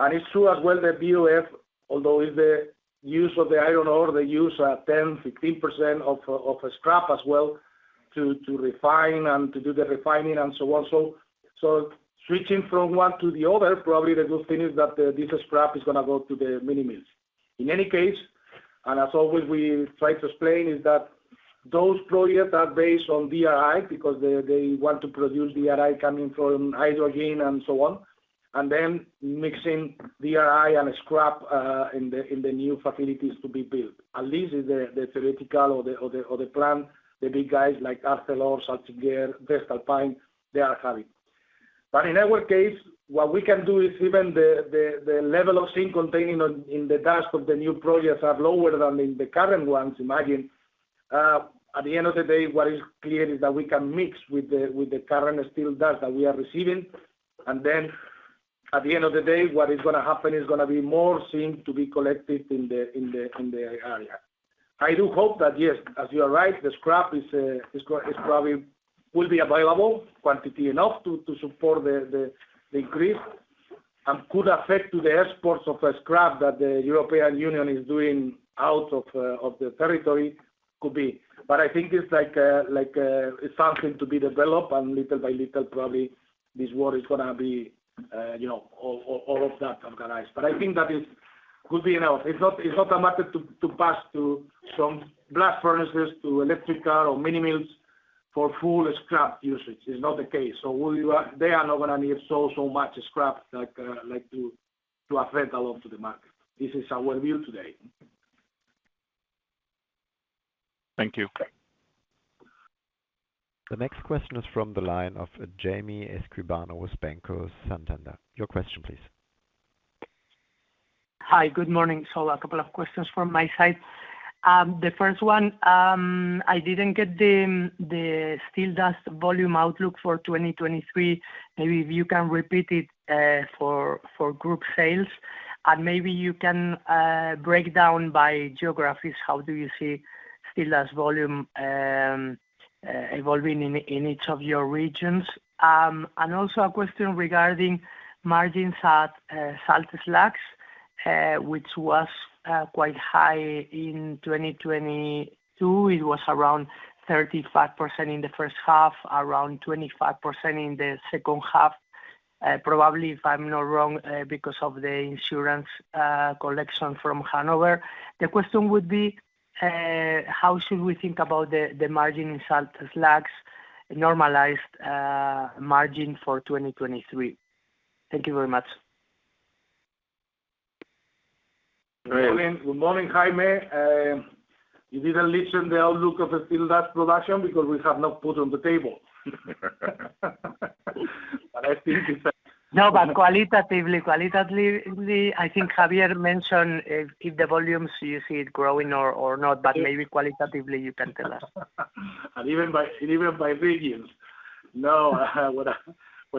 It's true as well the BOF, although is the use of the iron ore, they use 10%-15% of scrap as well to refine and to do the refining and so on. Switching from one to the other, probably the good thing is that this scrap is gonna go to the mini mills. In any case, as always we try to explain, is that those projects are based on DRI because they want to produce DRI coming from hydrogen and so on. Mixing DRI and scrap in the new facilities to be built. At least the theoretical or the plan, the big guys like ArcelorMittal, Salzgitter, voestalpine, they are having. In our case, what we can do is even the level of zinc containing in the dust of the new projects are lower than in the current ones. Imagine, at the end of the day, what is clear is that we can mix with the current steel dust that we are receiving. At the end of the day, what is gonna happen is gonna be more zinc to be collected in the area. I do hope that, yes, as you are right, the scrap is probably will be available, quantity enough to support the increase. could affect to the exports of scrap that the European Union is doing out of the territory could be. I think it's like something to be developed and little by little, probably this war is gonna be, you know, all of that organized. I think that is could be enough. It's not a matter to pass to some blast furnaces to electrical or mini mills for full scrap usage. It's not the case. They are not gonna need so much scrap like to affect a lot to the market. This is our view today. Thank you. The next question is from the line of Jaime Escribano with Banco Santander. Your question please. Hi. Good morning. A couple of questions from my side. The first one, I didn't get the steel dust volume outlook for 2023. Maybe if you can repeat it, for group sales. Maybe you can break down by geographies, how do you see steel dust volume evolving in each of your regions? Also a question regarding margins at salt slags, which was quite high in 2022. It was around 35% in the first half, around 25% in the second half. Probably if I'm not wrong, because of the insurance collection from Hanover. The question would be: How should we think about the margin in salt slags, normalized margin for 2023? Thank you very much. Good morning, Jaime. You didn't listen the outlook of the steel slags production because we have not put on the table. No, qualitatively, I think Javier mentioned if the volumes you see it growing or not, maybe qualitatively you can tell us. Even by regions. No,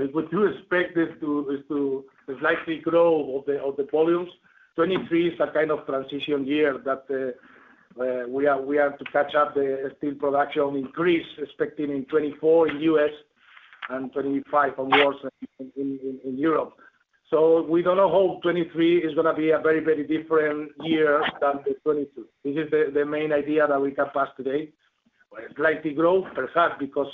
we do expect this to slightly grow of the volumes. 2023 is a kind of transition year that we have to catch up the steel production increase expecting in 2024 in U.S. and 2025 onwards in Europe. We don't know. Whole 2023 is gonna be a very different year than 2022. This is the main idea that we can pass today. Slightly growth perhaps because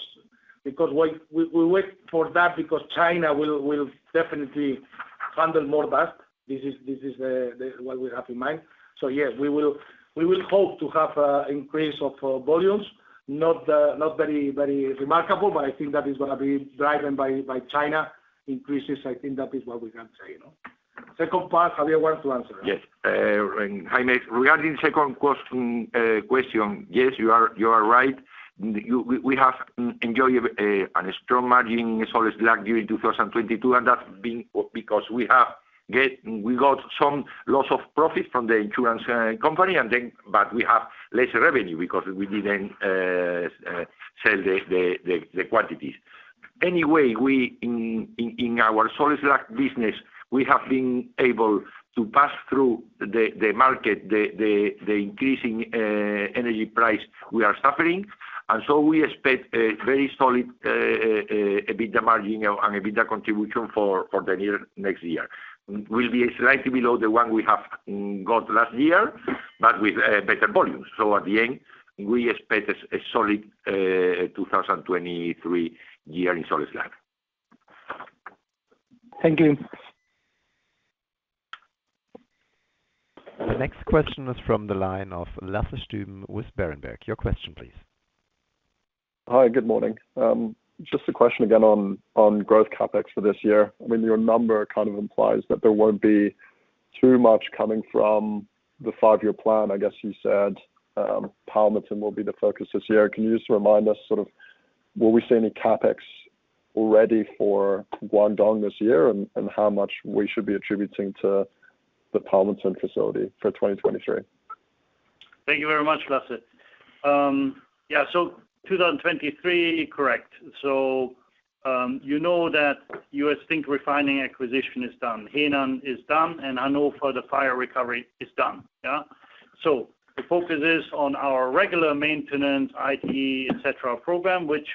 we wait for that because China will definitely handle more gas. This is what we have in mind. Yes, we will hope to have a increase of volumes. Not very remarkable, but I think that is gonna be driven by China increases. I think that is what we can say, you know. Second part, Javier wants to answer. Yes. Jaime, regarding second question, yes, you are right. We have enjoyed a strong margin in solid slag during 2022, and that's been because we got some loss of profit from the insurance company and then, but we have less revenue because we didn't sell the quantities. Anyway, we in our solid slag business, we have been able to pass through the market, the increasing energy price we are suffering. So we expect a very solid EBITDA margin and EBITDA contribution for the year next year. Will be slightly below the one we have got last year, but with better volumes. At the end, we expect a solid, 2023 year in salt slag. Thank you. The next question is from the line of Lasse Stüben with Berenberg. Your question please. Hi, good morning. Just a question again on growth CapEx for this year. I mean, your number kind of implies that there won't be too much coming from the five-year plan. I guess you said, Palmerton will be the focus this year. Can you just remind us, sort of, will we see any CapEx already for Guangdong this year and how much we should be attributing to the Palmerton facility for 2023? Thank you very much, Lasse. Yeah. 2023, correct. You know that US Zinc Refining acquisition is done. Henan is done, and Hanover for the fire recovery is done. Yeah? The focus is on our regular maintenance, IT, et cetera, program, which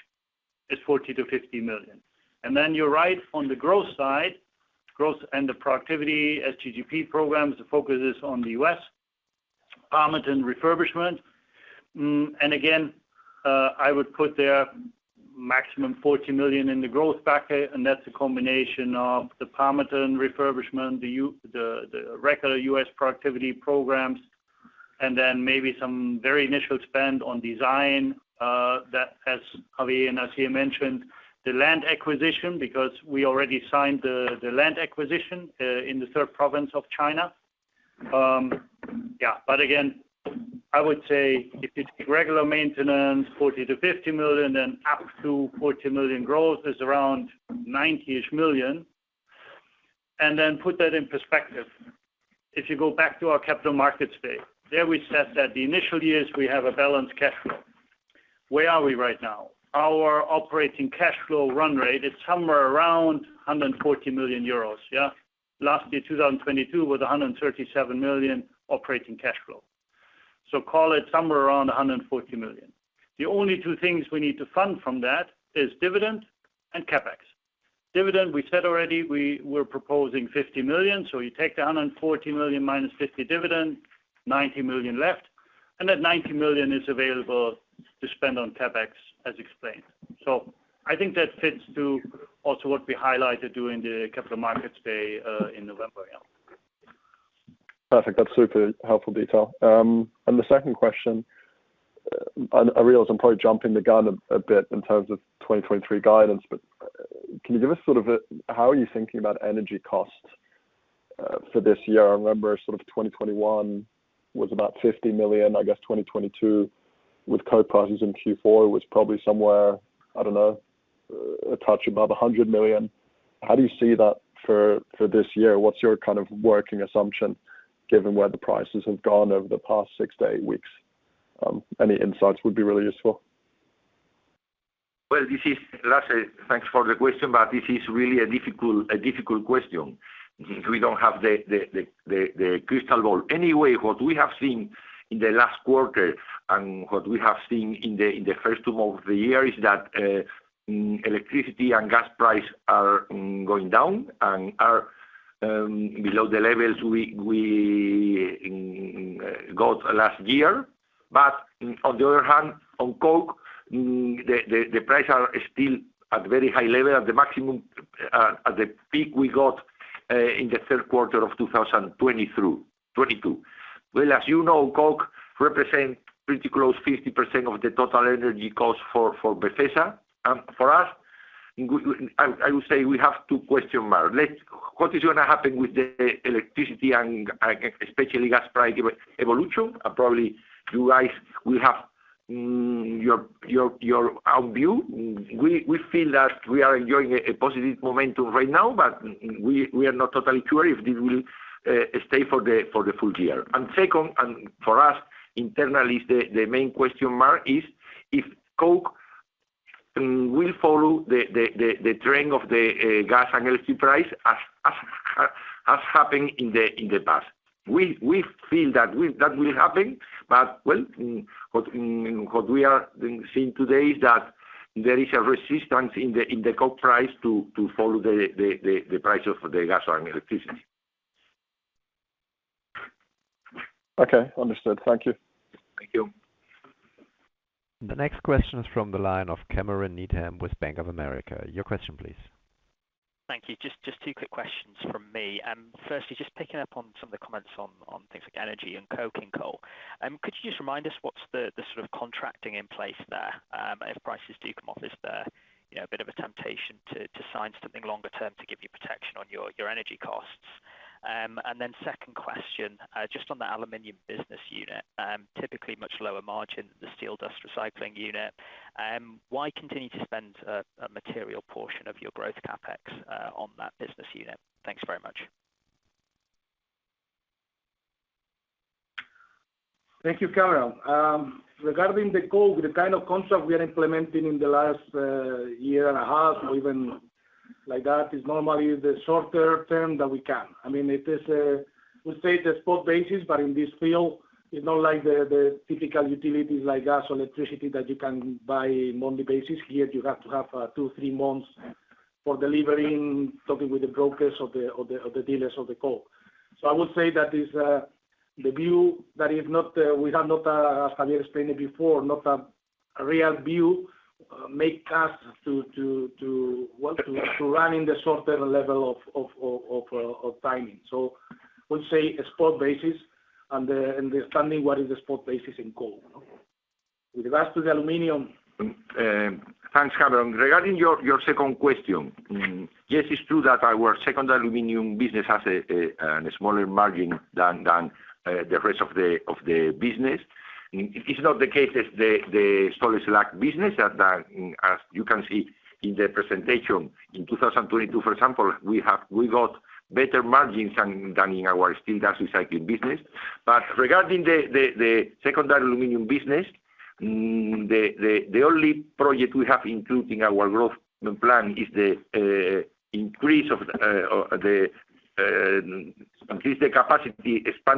is 40 million-50 million. You're right on the growth side. Growth and the productivity SGGP programs, the focus is on the Palmerton refurbishment. Again, I would put there maximum 40 million in the growth bucket, and that's a combination of the Palmerton refurbishment, the regular US productivity programs, and then maybe some very initial spend on design that as Javier and Asier mentioned, the land acquisition, because we already signed the land acquisition in the third province of China. Yeah. Again, I would say if it's regular maintenance, 40 million-50 million, then up to 40 million growth is around 90 million. Put that in perspective. If you go back to our Capital Markets Day, there we said that the initial years we have a balanced cash flow. Where are we right now? Our operating cash flow run rate is somewhere around 140 million euros. Last year, 2022 with a 137 million operating cash flow. Call it somewhere around 140 million. The only two things we need to fund from that is dividend and CapEx. Dividend, we said already we were proposing 50 million, so you take the 140 million minus 50 million dividend, 90 million left, and that 90 million is available to spend on CapEx as explained. I think that fits to also what we highlighted during the Capital Markets Day, in November, yeah. Perfect. That's super helpful detail. The second question, I realize I'm probably jumping the gun a bit in terms of 2023 guidance, can you give us sort of how are you thinking about energy costs for this year? I remember sort of 2021 was about 50 million. I guess 2022 with coke prices in Q4 was probably somewhere, I don't know, a touch above 100 million. How do you see that for this year? What's your kind of working assumption given where the prices have gone over the past six to eight weeks? Any insights would be really useful. Well, this is Lasse. Thanks for the question, this is really a difficult question since we don't have the crystal ball. Anyway, what we have seen in the last quarter and what we have seen in the first two months of the year is that electricity and gas price are going down and are below the levels we got last year. On the other hand, on coke, the price are still at very high level. At the maximum, at the peak, we got in Q3 of 2022. Well, as you know, coke represent pretty close 50% of the total energy cost for Befesa and for us. I would say we have two question mark. Let's... What is gonna happen with the electricity and especially gas price evolution? Probably you guys will have your own view. We feel that we are enjoying a positive momentum right now, but we are not totally sure if this will stay for the full year. Second, for us, internally, the main question mark is if coke will follow the trend of the gas and electricity price as happened in the past. We feel that will happen, but well, what we are seeing today is that there is a resistance in the coke price to follow the price of the gas and electricity. Okay. Understood. Thank you. Thank you. The next question is from the line of Cameron Needham with Bank of America. Your question please. Thank you. Just two quick questions from me. Firstly, just picking up on some of the comments on things like energy and coke and coal. Could you just remind us what's the sort of contracting in place there? If prices do come off, is there, you know, a bit of a temptation to sign something longer term to give you protection on your energy costs? And then second question, just on the aluminum business unit. Typically much lower margin, the steel dust recycling unit. Why continue to spend a material portion of your growth CapEx on that business unit? Thanks very much. Thank you, Cameron. Regarding the coal, the kind of concept we are implementing in the last year and a half or even like that, is normally the shorter term that we can. I mean, it is, we say the spot basis, but in this field, it's not like the typical utilities like gas or electricity that you can buy monthly basis. Here, you have to have two, three months for delivering, talking with the brokers or the dealers of the coal. I would say that is the view that is not we have not as Javier explained it before, not a real view make us to want to run in the shorter level of timing. We'll say a spot basis, and understanding what is the spot basis in coal. Thanks, Cameron. Regarding your second question, yes, it's true that our secondary aluminum business has a smaller margin than the rest of the business. It's not the case as the salt slag business, as you can see in the presentation. In 2022, for example, we got better margins than in our steel dust recycling business. Regarding the secondary aluminum business, the only project we have included in our growth plan is to expand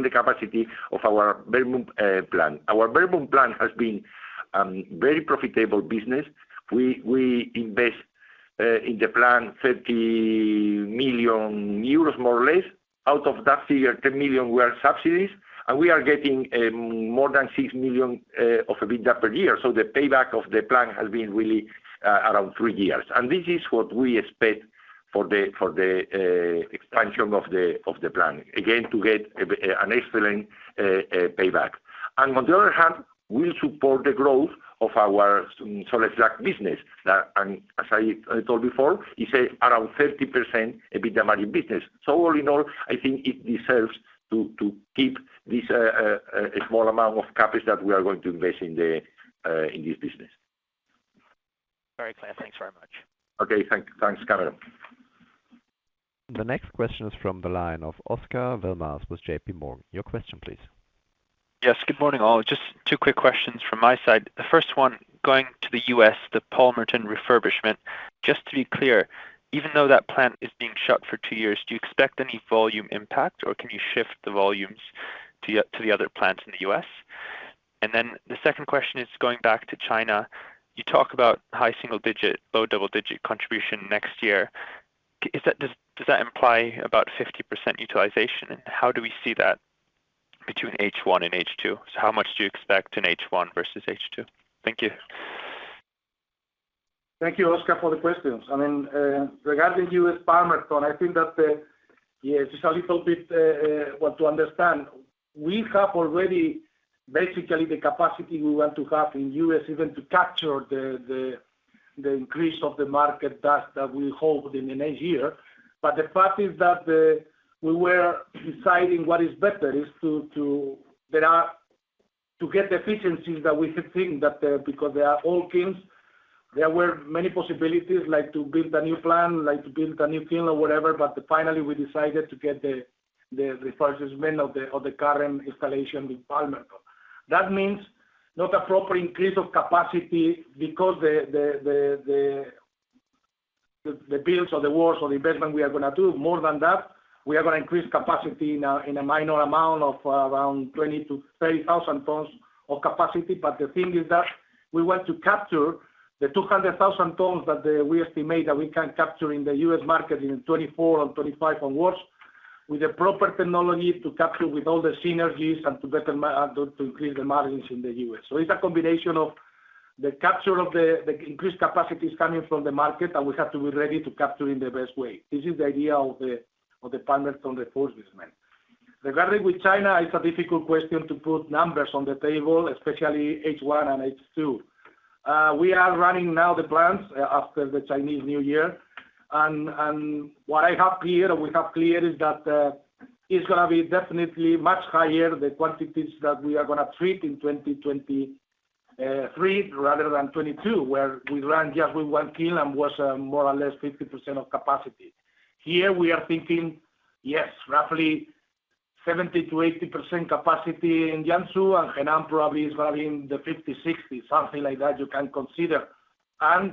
the capacity of our Bernburg plant. Our Bernburg plant has been very profitable business. We invest in the plant 30 million euros, more or less. Out of that figure, 10 million were subsidies, we are getting more than 6 million of EBITDA per year. The payback of the plan has been really around 3 years. This is what we expect for the expansion of the plan, again, to get an excellent payback. On the other hand, we support the growth of our salt slag business. As I told before, it's around 30% EBITDA margin business. All in all, I think it deserves to keep this small amount of CapEx that we are going to invest in this business. Very clear. Thanks very much. Okay. thanks, Cameron. The next question is from the line of Oscar Val Mas with JPMorgan. Your question please. Yes, good morning, all. Just 2 quick questions from my side. The first one, going to the U.S., the Palmerton refurbishment. Just to be clear, even though that plant is being shut for 2 years, do you expect any volume impact, or can you shift the volumes to the other plants in the U.S.? The second question is going back to China. You talk about high single-digit, low double-digit contribution next year. Does that imply about 50% utilization? How do we see that between H1 and H2? How much do you expect in H1 versus H2? Thank you. Thank you, Oscar, for the questions. I mean, regarding U.S. Palmerton, I think that, yes, it's a little bit, well, to understand. We have already basically the capacity we want to have in U.S. even to capture the increase of the market that we hope in the next year. We were deciding what is better is to get the efficiencies that we have seen that, because they are old teams, there were many possibilities, like to build a new plant, like to build a new team or whatever. But finally, we decided to get the refurbishment of the current installation with Palmerton. That means not a proper increase of capacity because the builds or the walls or the investment we are gonna do. More than that, we are gonna increase capacity now in a minor amount of around 20,000-30,000 tons of capacity. The thing is that we want to capture the 200,000 tons that we estimate that we can capture in the U.S. market in 2024 and 2025 onwards with the proper technology to capture with all the synergies and to better to increase the margins in the U.S. It's a combination of The capture of the increased capacity is coming from the market, and we have to be ready to capture in the best way. This is the idea of the partners on the fourth business month. Regarding with China, it's a difficult question to put numbers on the table, especially H1 and H2. We are running now the plants after the Chinese New Year. What I have here, we have clear is that it's gonna be definitely much higher, the quantities that we are gonna treat in 2023 rather than 2022, where we ran just with 1 kiln and was more or less 50% of capacity. Here we are thinking, roughly 70%-80% capacity in Jiangsu, and Henan probably is gonna be in the 50, 60, something like that you can consider.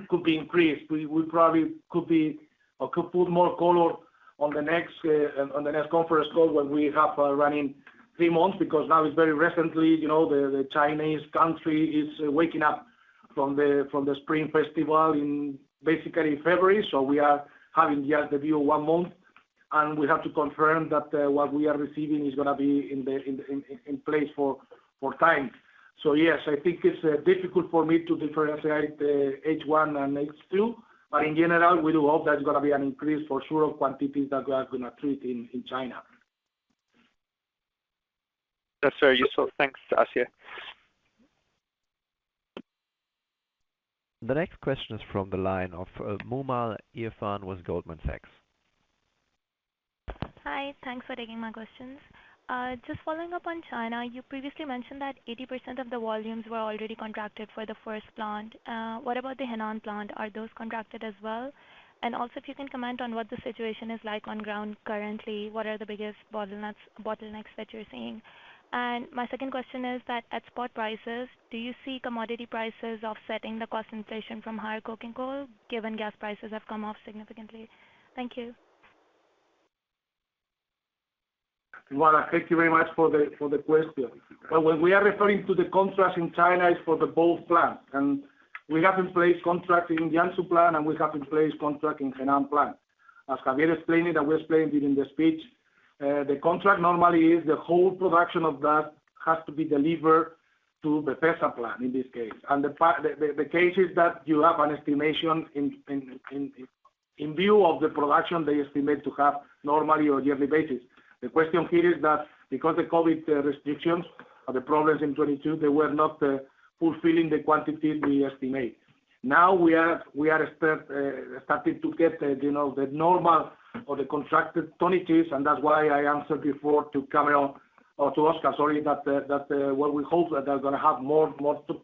Could be increased. We probably could be or could put more color on the next on the next conference call when we have running three months, because now it's very recently, you know, the Chinese country is waking up from the Spring Festival in basically February. We are having just the view one month, and we have to confirm that what we are receiving is gonna be in the in place for time. Yes, I think it's difficult for me to differentiate the H1 and H2. In general, we do hope there's gonna be an increase for sure of quantities that we are gonna treat in China. That's very useful. Thanks, Asier. The next question is from the line of Moomal Irfan with Goldman Sachs. Hi, thanks for taking my questions. Just following up on China, you previously mentioned that 80% of the volumes were already contracted for the first plant. What about the Henan plant? Are those contracted as well? Also, if you can comment on what the situation is like on ground currently, what are the biggest bottlenecks that you're seeing? My second question is that at spot prices, do you see commodity prices offsetting the cost inflation from higher coking coal, given gas prices have come off significantly? Thank you. Thank you very much for the question. When we are referring to the contracts in China, it's for the both plant. We have in place contract in Jiangsu plant, and we have in place contract in Henan plant. As Javier explained it, and we explained it in the speech, the contract normally is the whole production of that has to be delivered to the Befesa plant in this case. The case is that you have an estimation in view of the production they estimate to have normally or yearly basis. The question here is that because the COVID restrictions or the problems in 2022, they were not fulfilling the quantities we estimate. Now we are starting to get the, you know, the normal or the contracted tonnages, and that's why I answered before to Camille, or to Oscar, sorry, that what we hope that they're gonna have more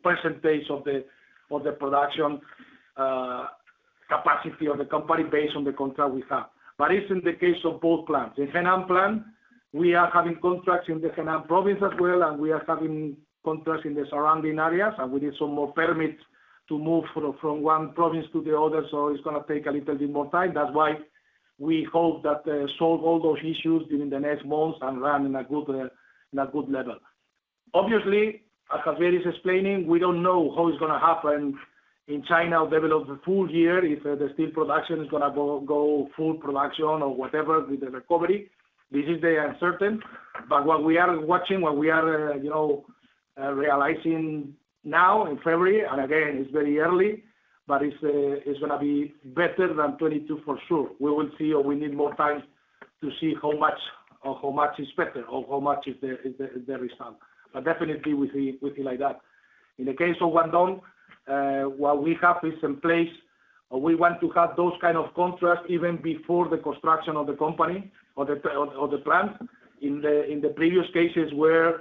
percentage of the production capacity of the company based on the contract we have. It's in the case of both plants. The Henan plant, we are having contracts in the Henan province as well, and we are having contracts in the surrounding areas, and we need some more permits to move from one province to the other, so it's gonna take a little bit more time. That's why we hope that solve all those issues during the next months and run in a good level. Obviously, as Javier is explaining, we don't know how it's gonna happen in China over the full year, if the steel production is gonna go full production or whatever with the recovery. This is the uncertain. What we are watching, what we are, you know, realizing now in February, and again, it's very early, but it's gonna be better than 22 for sure. We will see, or we need more time to see how much or how much is better or how much is the result. Definitely we see like that. In the case of Guangdong, what we have is in place. We want to have those kind of contracts even before the construction of the company or the plant. In the previous cases where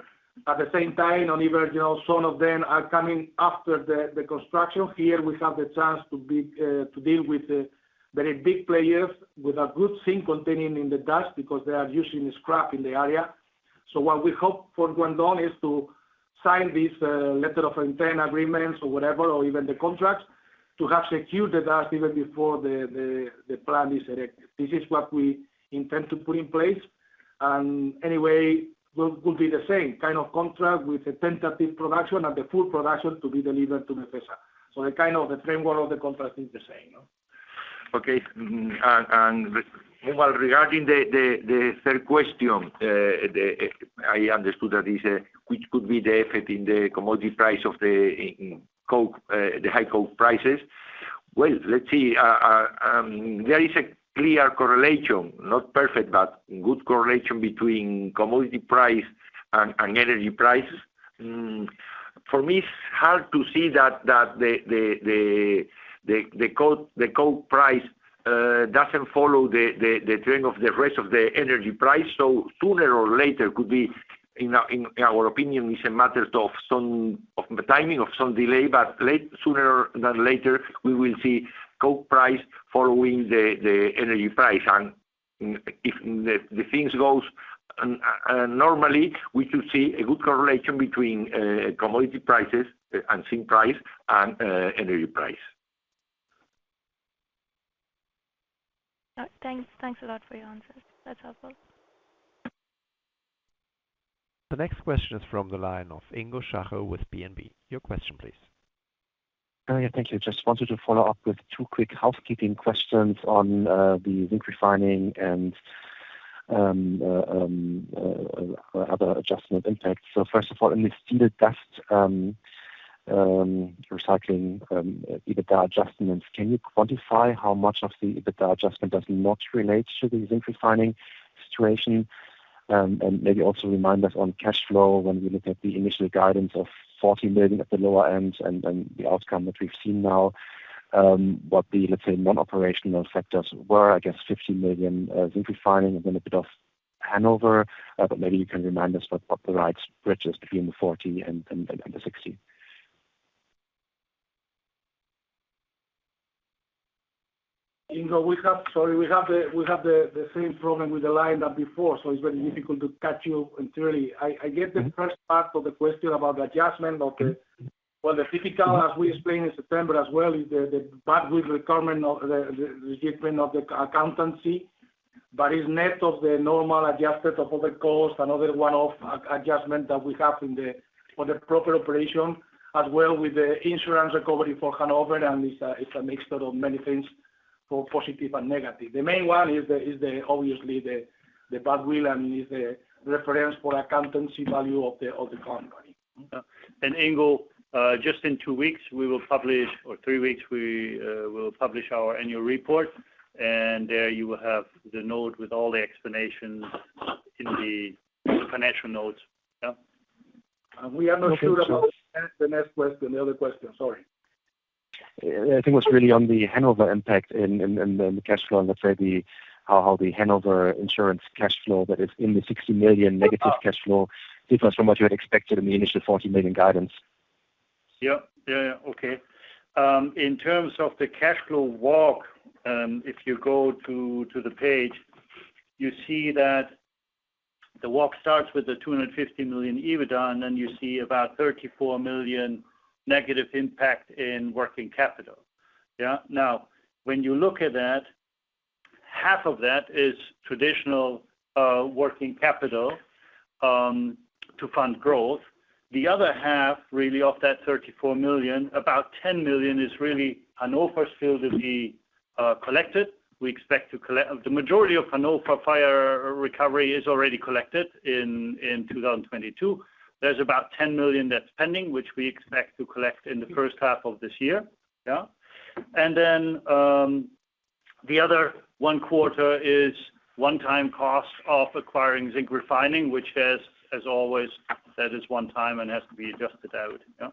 at the same time or even, you know, some of them are coming after the construction. Here we have the chance to be to deal with very big players with a good zinc containing in the dust because they are using scrap in the area. What we hope for Guangdong is to sign this letter of intent agreements or whatever, or even the contracts, to have secured the dust even before the plant is erected. This is what we intend to put in place, anyway, will be the same kind of contract with the tentative production and the full production to be delivered to Befesa. The kind of the framework of the contract is the same. Okay. While regarding the third question, the. I understood that is, which could be the effect in the commodity price of the, in coke, the high coke prices. Well, let's see. There is a clear correlation, not perfect, but good correlation between commodity price and energy prices. For me, it's hard to see that the coke price doesn't follow the trend of the rest of the energy price. Sooner or later, could be, in our opinion, it's a matter of the timing, of some delay, but late, sooner than later, we will see coke price following the energy price. If the things goes normally, we should see a good correlation between commodity prices and zinc price and energy price. Thanks a lot for your answers. That's helpful. The next question is from the line of Ingo Schachel with BNP. Your question, please. Oh, yeah, thank you. Just wanted to follow up with two quick housekeeping questions on the zinc refining and other adjustment impacts. First of all, in the steel dust recycling EBITDA adjustments, can you quantify how much of the EBITDA adjustment does not relate to the zinc refining situation? Maybe also remind us on cash flow when we look at the initial guidance of 40 million at the lower end and the outcome that we've seen now, what the, let's say, non-operational factors were. I guess 50 million zinc refining and then a bit of Hanover, maybe you can remind us what the right bridges between the 40 and the 60. Ingo, sorry, we have the same problem with the line that before, so it's very difficult to catch you entirely. I get the first part of the question about the adjustment of the. Well, the typical, as we explained in September as well, is the badwill requirement of the shipment of the accountancy. It's net of the normal adjustment of all the costs and other one-off adjustment that we have for the proper operation, as well with the insurance recovery for Hanover, and it's a mixture of many things, for positive and negative. The main one is obviously the badwill and is a reference for accountancy value of the company. Ingo, just in two weeks, or three weeks, we will publish our annual report. There you will have the note with all the explanations in the financial notes. Yeah. We are not sure about the next question, the other question. Sorry. I think it was really on the Hanover impact and the cash flow and let's say how the Hanover insurance cash flow that is in the 60 million negative cash flow differs from what you had expected in the initial 40 million guidance. Yeah. Okay. In terms of the cash flow walk, if you go to the page, you see that the walk starts with the 250 million EBITDA, then you see about 34 million negative impact in working capital. Yeah. Now, when you look at that, half of that is traditional working capital to fund growth. The other half really of that 34 million, about 10 million is really Hanover still to be collected. We expect to collect. The majority of Hanover fire recovery is already collected in 2022. There's about 10 million that's pending, which we expect to collect in the first half of this year. Yeah. Then, the other one quarter is one-time cost of acquiring zinc refining, which has, as always, that is one time and has to be adjusted out. Yeah.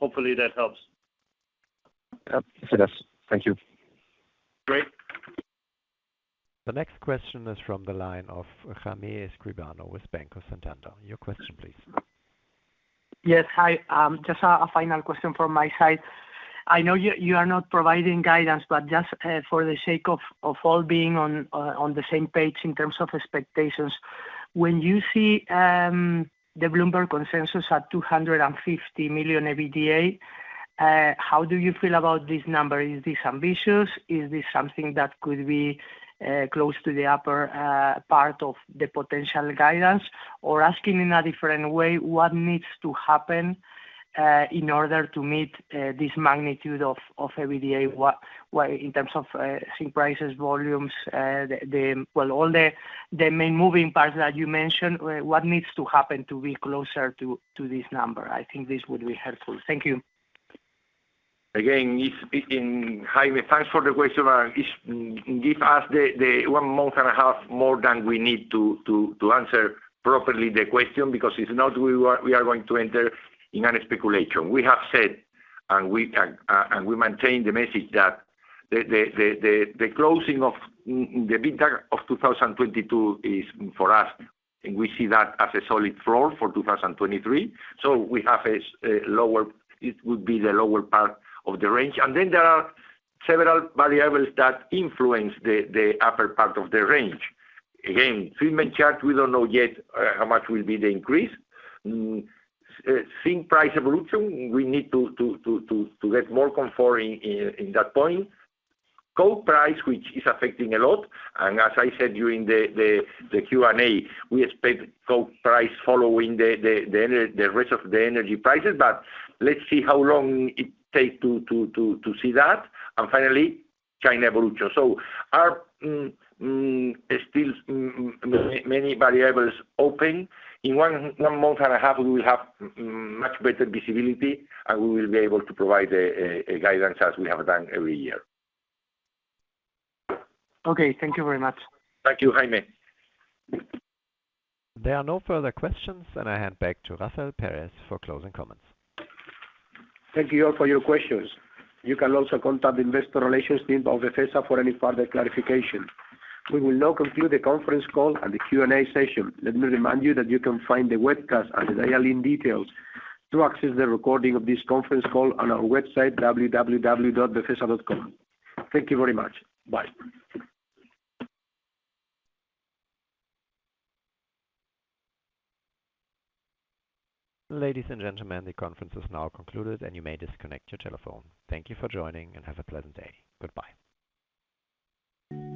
Hopefully that helps. Yeah. It does. Thank you. Great. The next question is from the line of Jaime Escribano with Banco Santander. Your question, please. Yes. Hi. Just a final question from my side. I know you are not providing guidance, but just for the sake of all being on the same page in terms of expectations, when you see the Bloomberg consensus at 250 million EBITDA, how do you feel about this number? Is this ambitious? Is this something that could be close to the upper part of the potential guidance? Or asking in a different way, what needs to happen in order to meet this magnitude of EBITDA? What in terms of zinc prices, volumes, the main moving parts that you mentioned, what needs to happen to be closer to this number? I think this would be helpful. Thank you. Again, it's speaking Jaime. Thanks for the question. Give us the one month and a half more than we need to answer properly the question because if not, we are going to enter in a speculation. We have said and we maintain the message that the closing of the mid-term of 2022 is for us, and we see that as a solid floor for 2023. We have a lower. It would be the lower part of the range. There are several variables that influence the upper part of the range. Again, treatment charge, we don't know yet how much will be the increase. Zinc price evolution, we need to get more comfort in that point. Coal price, which is affecting a lot, and as I said during the Q&A, we expect coal price following the rest of the energy prices, but let's see how long it takes to see that. Finally, China evolution. Our still many variables open. In one month and a half, we will have much better visibility, and we will be able to provide a guidance as we have done every year. Okay. Thank you very much. Thank you, Jaime. There are no further questions, and I hand back to Rafael Pérez for closing comments. Thank you all for your questions. You can also contact the investor relations team of Befesa for any further clarification. We will now conclude the conference call and the Q&A session. Let me remind you that you can find the webcast and the dial-in details to access the recording of this conference call on our website www.befesa.com. Thank you very much. Bye. Ladies and gentlemen, the conference is now concluded, and you may disconnect your telephone. Thank you for joining, and have a pleasant day. Goodbye.